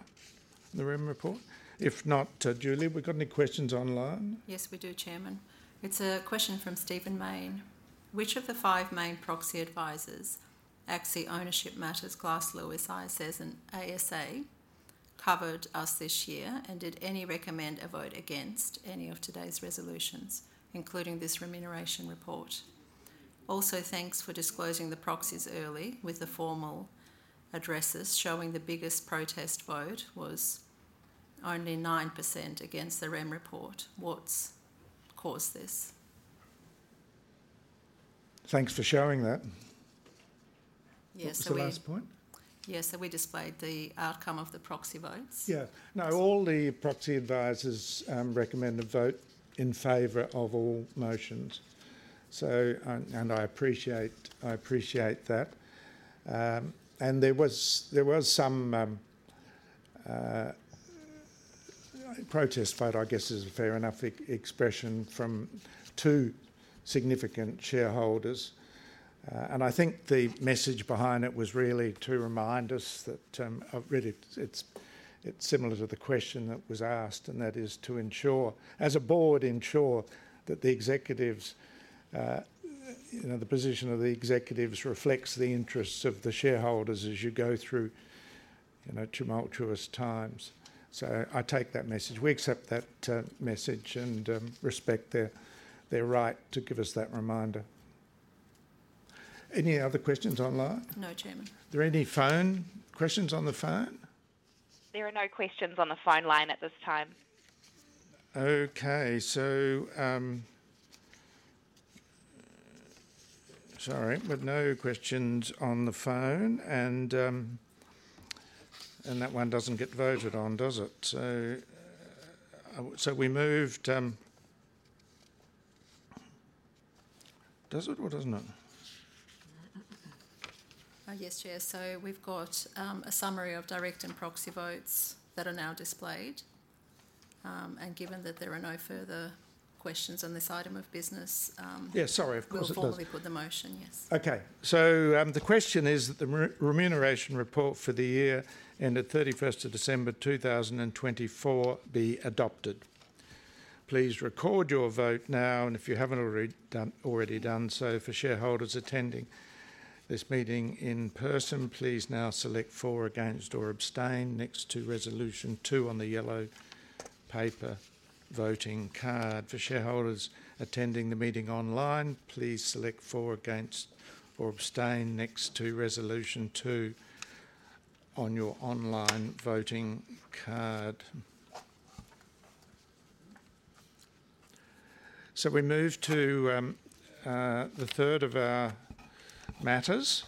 on the REM report? If not, Julia, we've got any questions online? Yes, we do, Chairman. It's a question from Stephen Main. Which of the five main proxy advisors, AXI, Ownership Matters, Glass Lewis, ISS, and ASA, covered us this year and did any recommend a vote against any of today's resolutions, including this remuneration report? Also, thanks for disclosing the proxies early with the formal addresses showing the biggest protest vote was only 9% against the REM report. What's caused this? Thanks for showing that. Yes. That's the last point. Yes. Have we displayed the outcome of the proxy votes? Yeah. No, all the proxy advisors recommend a vote in favor of all motions. I appreciate that. There was some protest vote, I guess, is a fair enough expression from two significant shareholders. I think the message behind it was really to remind us that it's similar to the question that was asked, and that is to ensure, as a board, ensure that the executives, the position of the executives reflects the interests of the shareholders as you go through tumultuous times. I take that message. We accept that message and respect their right to give us that reminder. Any other questions online? No, Chairman. Are there any phone questions on the phone? There are no questions on the phone line at this time. Okay. Sorry, but no questions on the phone. That one doesn't get voted on, does it? We moved, does it or doesn't it? Yes, Chair. We've got a summary of direct and proxy votes that are now displayed. Given that there are no further questions on this item of business, we'll probably put the motion, yes. Okay. The question is that the remuneration report for the year ended 31st of December 2024 be adopted? Please record your vote now. If you haven't already done so, for shareholders attending this meeting in person, please now select for, against, or abstain next to resolution two on the yellow paper voting card. For shareholders attending the meeting online, please select for, against, or abstain next to resolution two on your online voting card. We move to the third of our matters.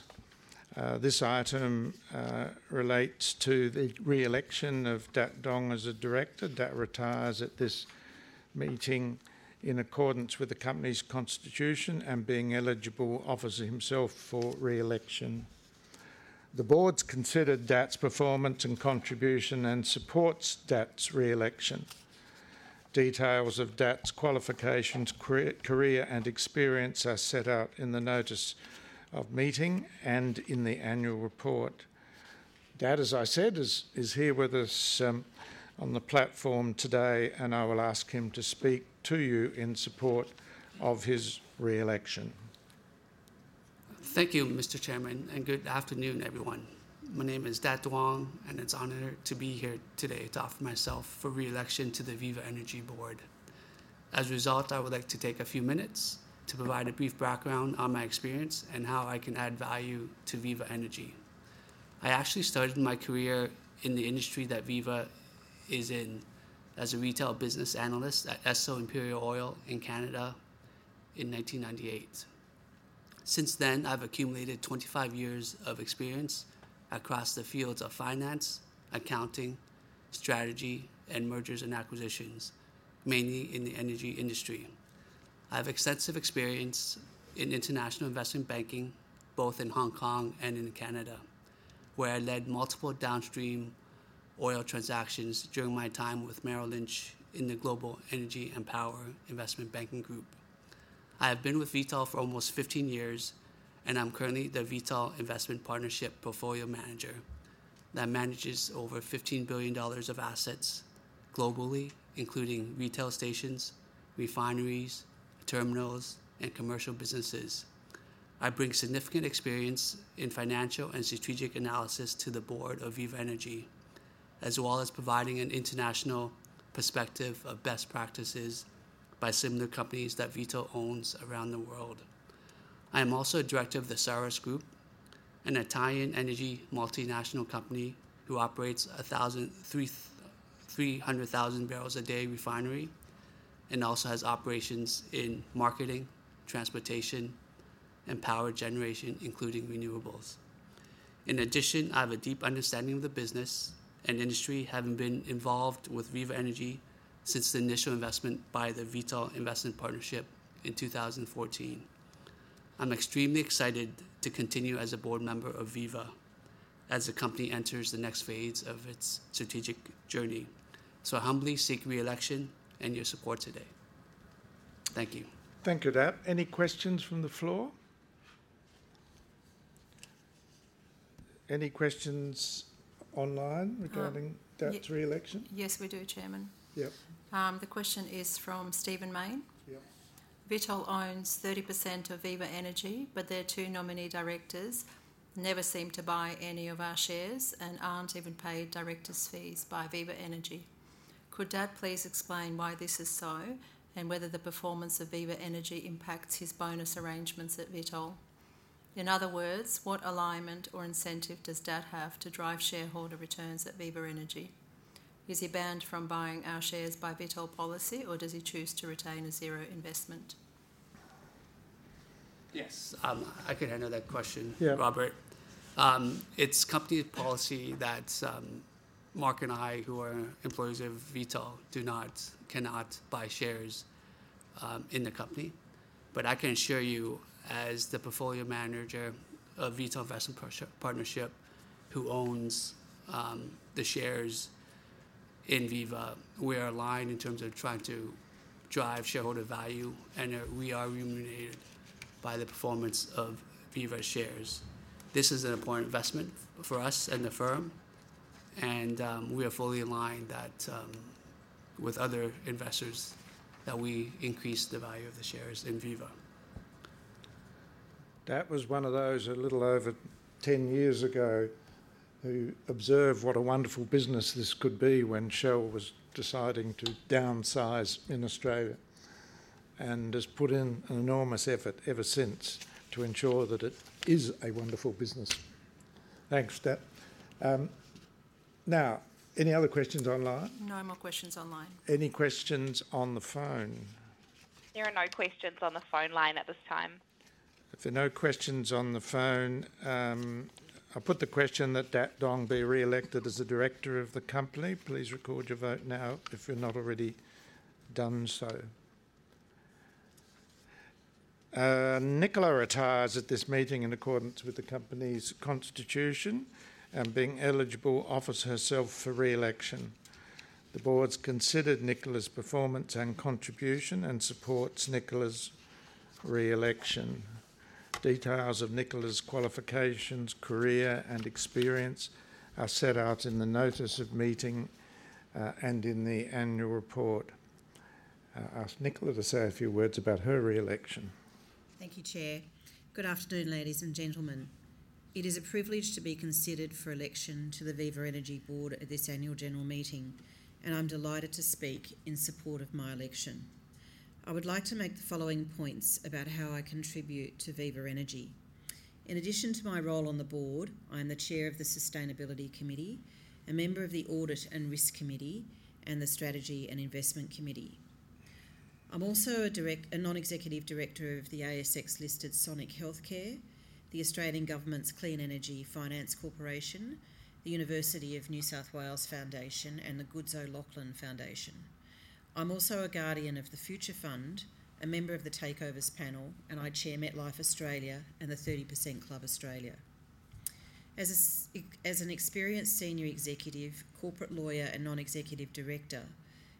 This item relates to the reelection of Dat Dong as a director. Dat retires at this meeting in accordance with the company's constitution and, being eligible, offers himself for reelection. The board's considered Dat's performance and contribution and supports Dat's reelection. Details of Dat's qualifications, career, and experience are set out in the notice of meeting and in the annual report. Dat, as I said, is here with us on the platform today, and I will ask him to speak to you in support of his reelection. Thank you, Mr. Chairman, and good afternoon, everyone. My name is Dat Dong, and it's an honor to be here today to offer myself for reelection to the Viva Energy board. As a result, I would like to take a few minutes to provide a brief background on my experience and how I can add value to Viva Energy. I actually started my career in the industry that Viva is in as a retail business analyst at Esso Imperial Oil in Canada in 1998. Since then, I've accumulated 25 years of experience across the fields of finance, accounting, strategy, and mergers and acquisitions, mainly in the energy industry. I have extensive experience in international investment banking, both in Hong Kong and in Canada, where I led multiple downstream oil transactions during my time with Merrill Lynch in the Global Energy and Power Investment Banking Group. I have been with Vitol for almost 15 years, and I'm currently the Vitol Investment Partnership Portfolio Manager that manages over $15 billion of assets globally, including retail stations, refineries, terminals, and commercial businesses. I bring significant experience in financial and strategic analysis to the board of Viva Energy, as well as providing an international perspective of best practices by similar companies that Vitol owns around the world. I am also a director of the Saras Group, an Italian energy multinational company who operates a 300,000 barrels a day refinery and also has operations in marketing, transportation, and power generation, including renewables. In addition, I have a deep understanding of the business and industry, having been involved with Viva Energy since the initial investment by the Vitol Investment Partnership in 2014. I'm extremely excited to continue as a board member of Viva as the company enters the next phase of its strategic journey. I humbly seek reelection and your support today. Thank you. Thank you, Dat. Any questions from the floor? Any questions online regarding Dat's reelection? Yes, we do, Chairman. The question is from Stephen Main. Vitol owns 30% of Viva Energy, but their two nominee directors never seem to buy any of our shares and aren't even paid director's fees by Viva Energy. Could Dat please explain why this is so and whether the performance of Viva Energy impacts his bonus arrangements at Vitol? In other words, what alignment or incentive does Dat have to drive shareholder returns at Viva Energy? Is he banned from buying our shares by Vitol policy, or does he choose to retain a zero investment? Yes. I can handle that question, Robert. It's company policy that Mark and I, who are employees of Vitol, cannot buy shares in the company. I can assure you, as the portfolio manager of Vitol Investment Partnership, who owns the shares in Viva, we are aligned in terms of trying to drive shareholder value, and we are remunerated by the performance of Viva's shares. This is an important investment for us and the firm, and we are fully aligned with other investors that we increase the value of the shares in Viva. That was one of those a little over 10 years ago who observed what a wonderful business this could be when Shell was deciding to downsize in Australia and has put in an enormous effort ever since to ensure that it is a wonderful business. Thanks, Dat. Now, any other questions online? No more questions online. Any questions on the phone? There are no questions on the phone line at this time. If there are no questions on the phone, I'll put the question that Dat Dong be reelected as a director of the company. Please record your vote now if you have not already done so. Nicola retires at this meeting in accordance with the company's constitution and being eligible offers herself for reelection. The board's considered Nicola's performance and contribution and supports Nicola's reelection. Details of Nicola's qualifications, career, and experience are set out in the notice of meeting and in the annual report. Ask Nicola to say a few words about her reelection. Thank you, Chair. Good afternoon, ladies and gentlemen. It is a privilege to be considered for election to the Viva Energy board at this annual general meeting, and I'm delighted to speak in support of my election. I would like to make the following points about how I contribute to Viva Energy. In addition to my role on the board, I am the Chair of the Sustainability Committee, a member of the Audit and Risk Committee, and the Strategy and Investment Committee. I'm also a non-executive director of the ASX-listed Sonic Healthcare, the Australian Government's Clean Energy Finance Corporation, the University of New South Wales Foundation, and the Goodsell Lachlan Foundation. I'm also a guardian of the Future Fund, a member of the Takeovers Panel, and I chair MetLife Australia and the 30% Club Australia. As an experienced senior executive, corporate lawyer, and non-executive director,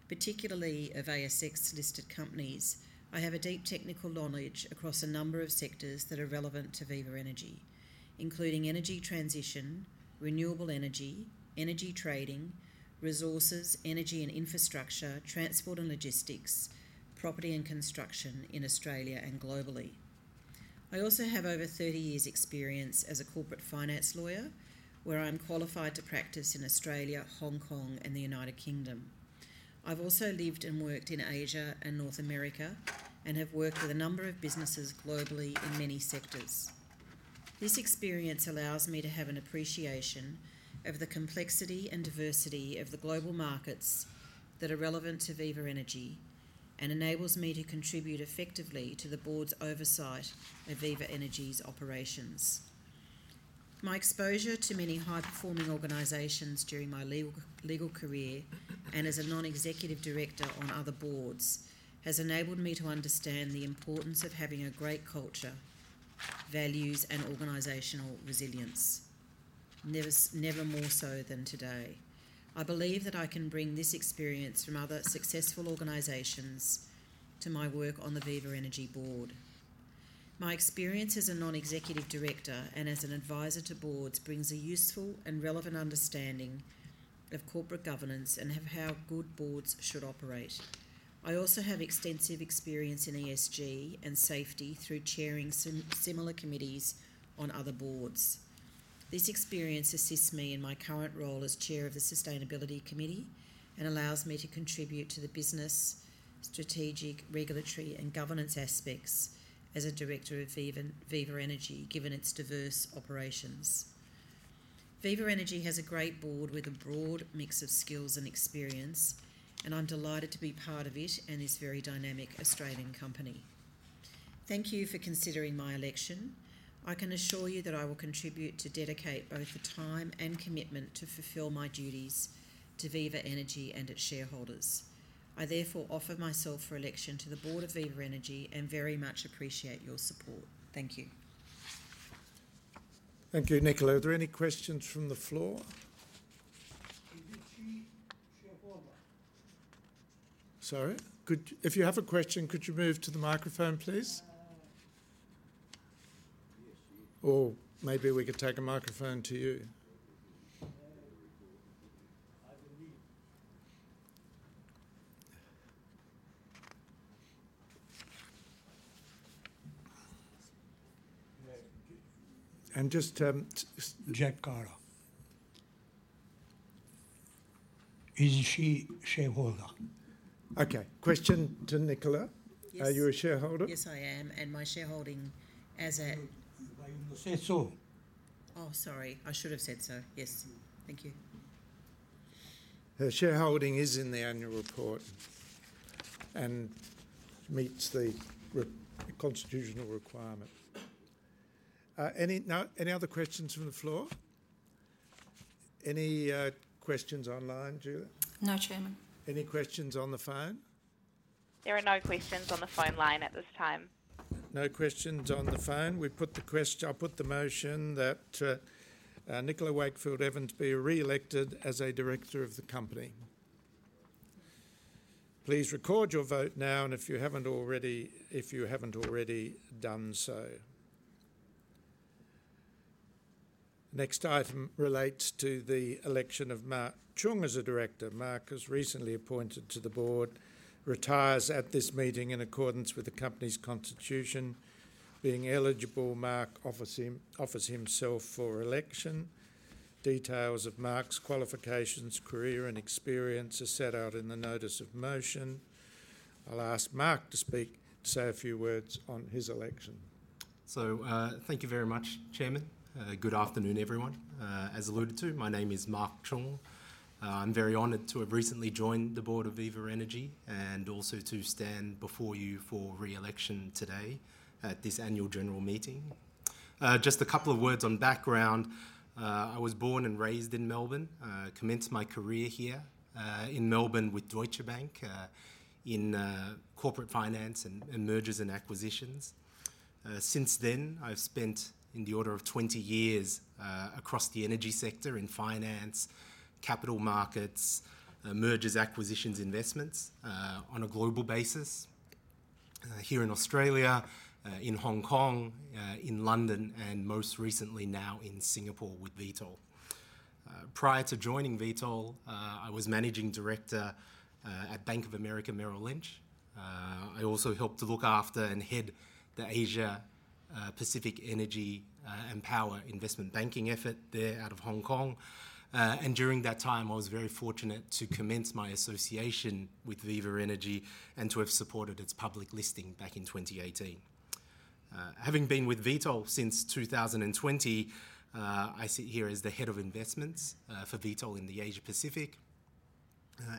particularly of ASX-listed companies, I have a deep technical knowledge across a number of sectors that are relevant to Viva Energy, including energy transition, renewable energy, energy trading, resources, energy and infrastructure, transport and logistics, property and construction in Australia and globally. I also have over 30 years' experience as a corporate finance lawyer, where I'm qualified to practice in Australia, Hong Kong, and the United Kingdom. I've also lived and worked in Asia and North America and have worked with a number of businesses globally in many sectors. This experience allows me to have an appreciation of the complexity and diversity of the global markets that are relevant to Viva Energy and enables me to contribute effectively to the board's oversight of Viva Energy's operations. My exposure to many high-performing organizations during my legal career and as a non-executive director on other boards has enabled me to understand the importance of having a great culture, values, and organizational resilience, never more so than today. I believe that I can bring this experience from other successful organizations to my work on the Viva Energy board. My experience as a non-executive director and as an advisor to boards brings a useful and relevant understanding of corporate governance and of how good boards should operate. I also have extensive experience in ESG and safety through chairing similar committees on other boards. This experience assists me in my current role as Chair of the Sustainability Committee and allows me to contribute to the business, strategic, regulatory, and governance aspects as a director of Viva Energy, given its diverse operations. Viva Energy has a great board with a broad mix of skills and experience, and I'm delighted to be part of it and this very dynamic Australian company. Thank you for considering my election. I can assure you that I will contribute to dedicate both the time and commitment to fulfill my duties to Viva Energy and its shareholders. I therefore offer myself for election to the board of Viva Energy and very much appreciate your support. Thank you. Thank you, Nicola. Are there any questions from the floor? Is it chief shareholder? Sorry. If you have a question, could you move to the microphone, please? Yes, you. Or maybe we could take a microphone to you. I believe. And just. Jack Carter. Is she shareholder? Okay. Question to Nicola. Are you a shareholder? Yes, I am. And my shareholding as a. Said so. Oh, sorry. I should have said so. Yes. Thank you. Her shareholding is in the annual report and meets the constitutional requirement. Any other questions from the floor? Any questions online, Julia? No, Chairman. Any questions on the phone? There are no questions on the phone line at this time. No questions on the phone. I'll put the motion that Nicola Wakefield Evans be reelected as a director of the company. Please record your vote now, and if you haven't already done so. Next item relates to the election of Mark Chung as a director. Mark was recently appointed to the board, retires at this meeting in accordance with the company's constitution. Being eligible, Mark offers himself for election. Details of Mark's qualifications, career, and experience are set out in the notice of motion. I'll ask Mark to say a few words on his election. Thank you very much, Chairman. Good afternoon, everyone. As alluded to, my name is Mark Chung. I'm very honored to have recently joined the board of Viva Energy and also to stand before you for reelection today at this annual general meeting. Just a couple of words on background. I was born and raised in Melbourne, commenced my career here in Melbourne with Deutsche Bank in corporate finance and mergers and acquisitions. Since then, I've spent in the order of 20 years across the energy sector in finance, capital markets, mergers, acquisitions, investments on a global basis here in Australia, in Hong Kong, in London, and most recently now in Singapore with Vitol. Prior to joining Vitol, I was Managing Director at Bank of America Merrill Lynch. I also helped to look after and head the Asia-Pacific Energy and Power Investment Banking effort there out of Hong Kong. During that time, I was very fortunate to commence my association with Viva Energy and to have supported its public listing back in 2018. Having been with Vitol since 2020, I sit here as the Head of Investments for Vitol in the Asia-Pacific.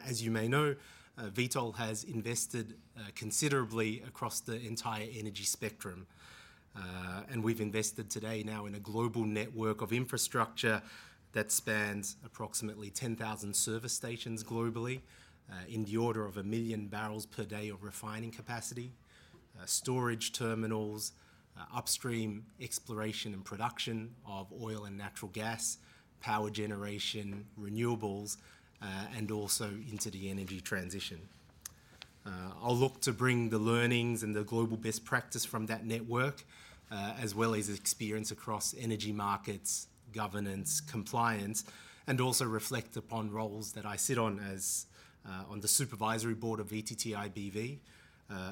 As you may know, Vitol has invested considerably across the entire energy spectrum, and we've invested today now in a global network of infrastructure that spans approximately 10,000 service stations globally, in the order of 1 million barrels per day of refining capacity, storage terminals, upstream exploration and production of oil and natural gas, power generation, renewables, and also into the energy transition. I'll look to bring the learnings and the global best practice from that network, as well as experience across energy markets, governance, compliance, and also reflect upon roles that I sit on as on the supervisory board of VTTI BV,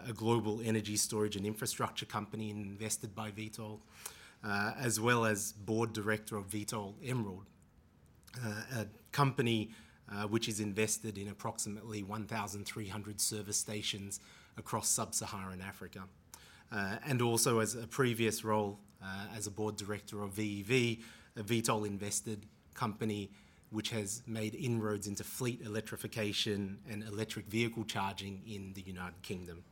a global energy storage and infrastructure company invested by Vitol, as well as board director of Vitol Emerald, a company which is invested in approximately 1,300 service stations across sub-Saharan Africa. Also, as a previous role as a board director of VEV, a Vitol invested company which has made inroads into fleet electrification and electric vehicle charging in the United Kingdom.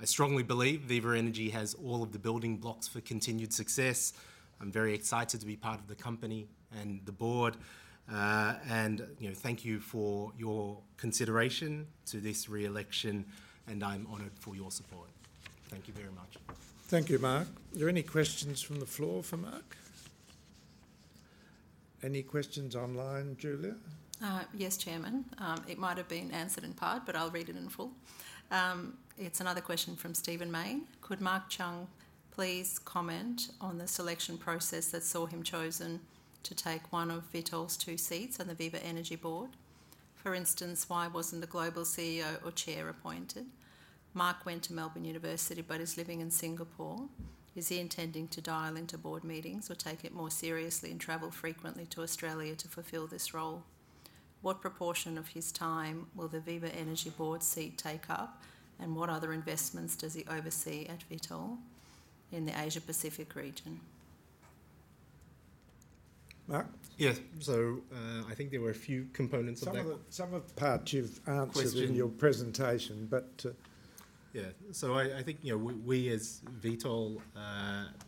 I strongly believe Viva Energy has all of the building blocks for continued success. I'm very excited to be part of the company and the board. Thank you for your consideration to this reelection, and I'm honored for your support. Thank you very much. Thank you, Mark. Are there any questions from the floor for Mark? Any questions online, Julia? Yes, Chairman. It might have been answered in part, but I'll read it in full. It's another question from Stephen Main. Could Mark Chung please comment on the selection process that saw him chosen to take one of Vitol's two seats on the Viva Energy board? For instance, why wasn't the global CEO or chair appointed? Mark went to Melbourne University but is living in Singapore. Is he intending to dial into board meetings or take it more seriously and travel frequently to Australia to fulfill this role? What proportion of his time will the Viva Energy board seat take up, and what other investments does he oversee at Vitol in the Asia Pacific region? Mark? Yes. I think there were a few components of that. Some of the parts you've answered in your presentation, but. Yeah. I think we, as Vitol,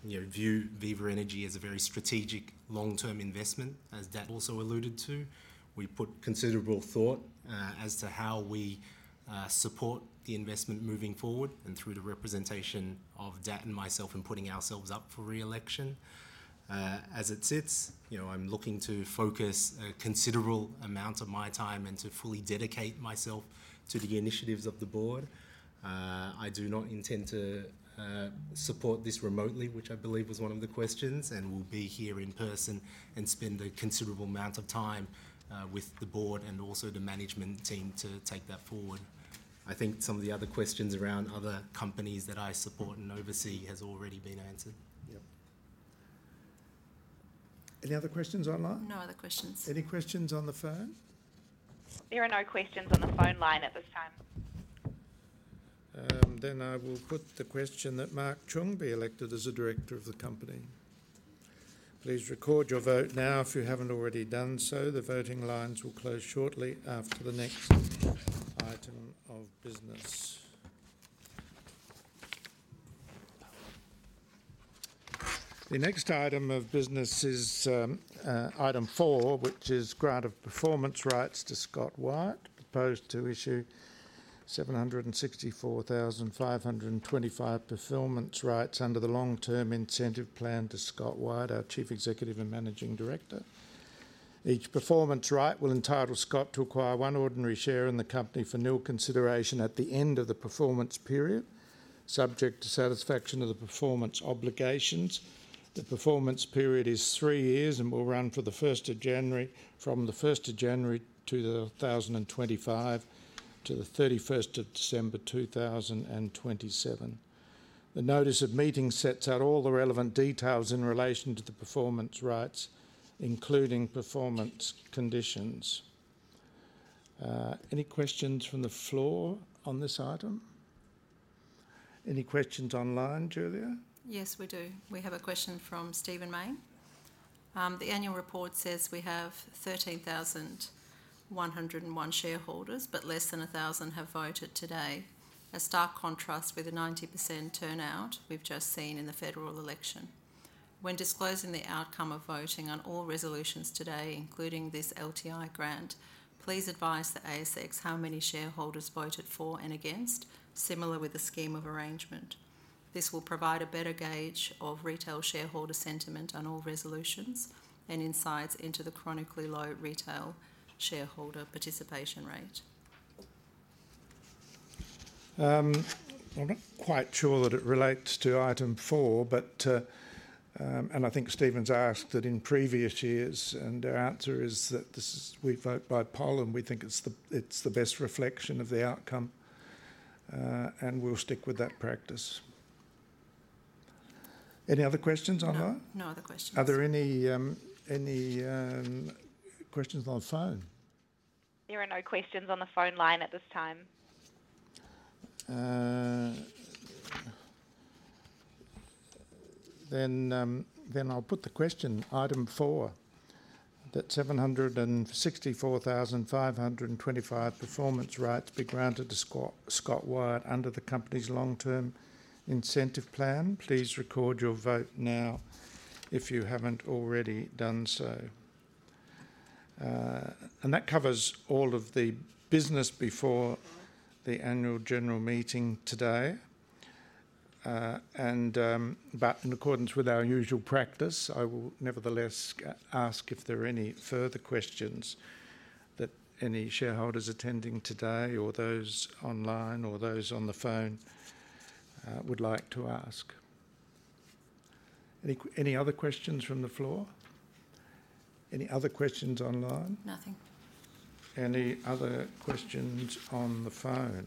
view Viva Energy as a very strategic long-term investment, as Dat also alluded to. We put considerable thought as to how we support the investment moving forward and through the representation of Dat and myself in putting ourselves up for reelection. As it sits, I'm looking to focus a considerable amount of my time and to fully dedicate myself to the initiatives of the board. I do not intend to support this remotely, which I believe was one of the questions, and will be here in person and spend a considerable amount of time with the board and also the management team to take that forward. I think some of the other questions around other companies that I support and oversee have already been answered. Yep. Any other questions online? No other questions. Any questions on the phone? There are no questions on the phone line at this time. I will put the question that Mark Chung be elected as a director of the company. Please record your vote now if you haven't already done so. The voting lines will close shortly after the next item of business. The next item of business is item four, which is grant of performance rights to Scott Wyatt, proposed to issue 764,525 performance rights under the long-term incentive plan to Scott Wyatt, our Chief Executive and Managing Director. Each performance right will entitle Scott to acquire one ordinary share in the company for nil consideration at the end of the performance period, subject to satisfaction of the performance obligations. The performance period is three years and will run from the 1st of January 2025 to the 31st of December 2027. The notice of meeting sets out all the relevant details in relation to the performance rights, including performance conditions. Any questions from the floor on this item? Any questions online, Julia? Yes, we do. We have a question from Stephen Main. The annual report says we have 13,101 shareholders, but less than 1,000 have voted today, a stark contrast with the 90% turnout we've just seen in the federal election. When disclosing the outcome of voting on all resolutions today, including this LTI grant, please advise the ASX how many shareholders voted for and against, similar with the scheme of arrangement. This will provide a better gauge of retail shareholder sentiment on all resolutions and insights into the chronically low retail shareholder participation rate. I'm not quite sure that it relates to item four, but I think Stephen's asked that in previous years, and our answer is that we vote by poll and we think it's the best reflection of the outcome, and we'll stick with that practice. Any other questions online? No other questions. Are there any questions on the phone? There are no questions on the phone line at this time. I will put the question, item four, that 764,525 performance rights be granted to Scott Wyatt under the company's long-term incentive plan. Please record your vote now if you haven't already done so. That covers all of the business before the annual general meeting today. In accordance with our usual practice, I will nevertheless ask if there are any further questions that any shareholders attending today or those online or those on the phone would like to ask. Any other questions from the floor? Any other questions online? Nothing. Any other questions on the phone?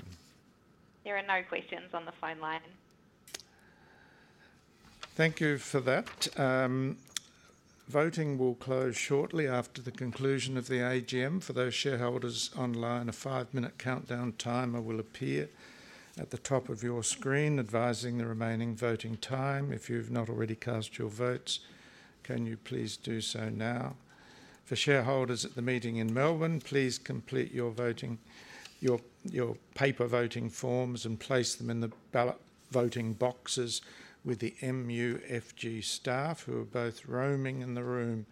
There are no questions on the phone line. Thank you for that. Voting will close shortly after the conclusion of the AGM. For those shareholders online, a five-minute countdown timer will appear at the top of your screen advising the remaining voting time. If you've not already cast your votes, can you please do so now? For shareholders at the meeting in Melbourne, please complete your paper voting forms and place them in the ballot voting boxes with the MUFG staff who are both roaming in the room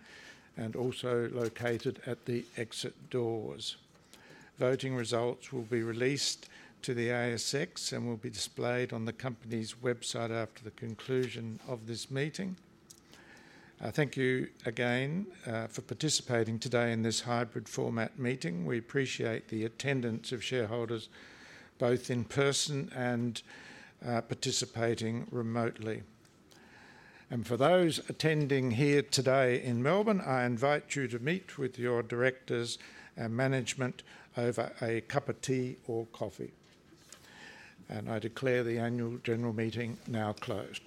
and also located at the exit doors. Voting results will be released to the ASX and will be displayed on the company's website after the conclusion of this meeting. Thank you again for participating today in this hybrid format meeting. We appreciate the attendance of shareholders both in person and participating remotely. For those attending here today in Melbourne, I invite you to meet with your directors and management over a cup of tea or coffee. I declare the annual general meeting now closed.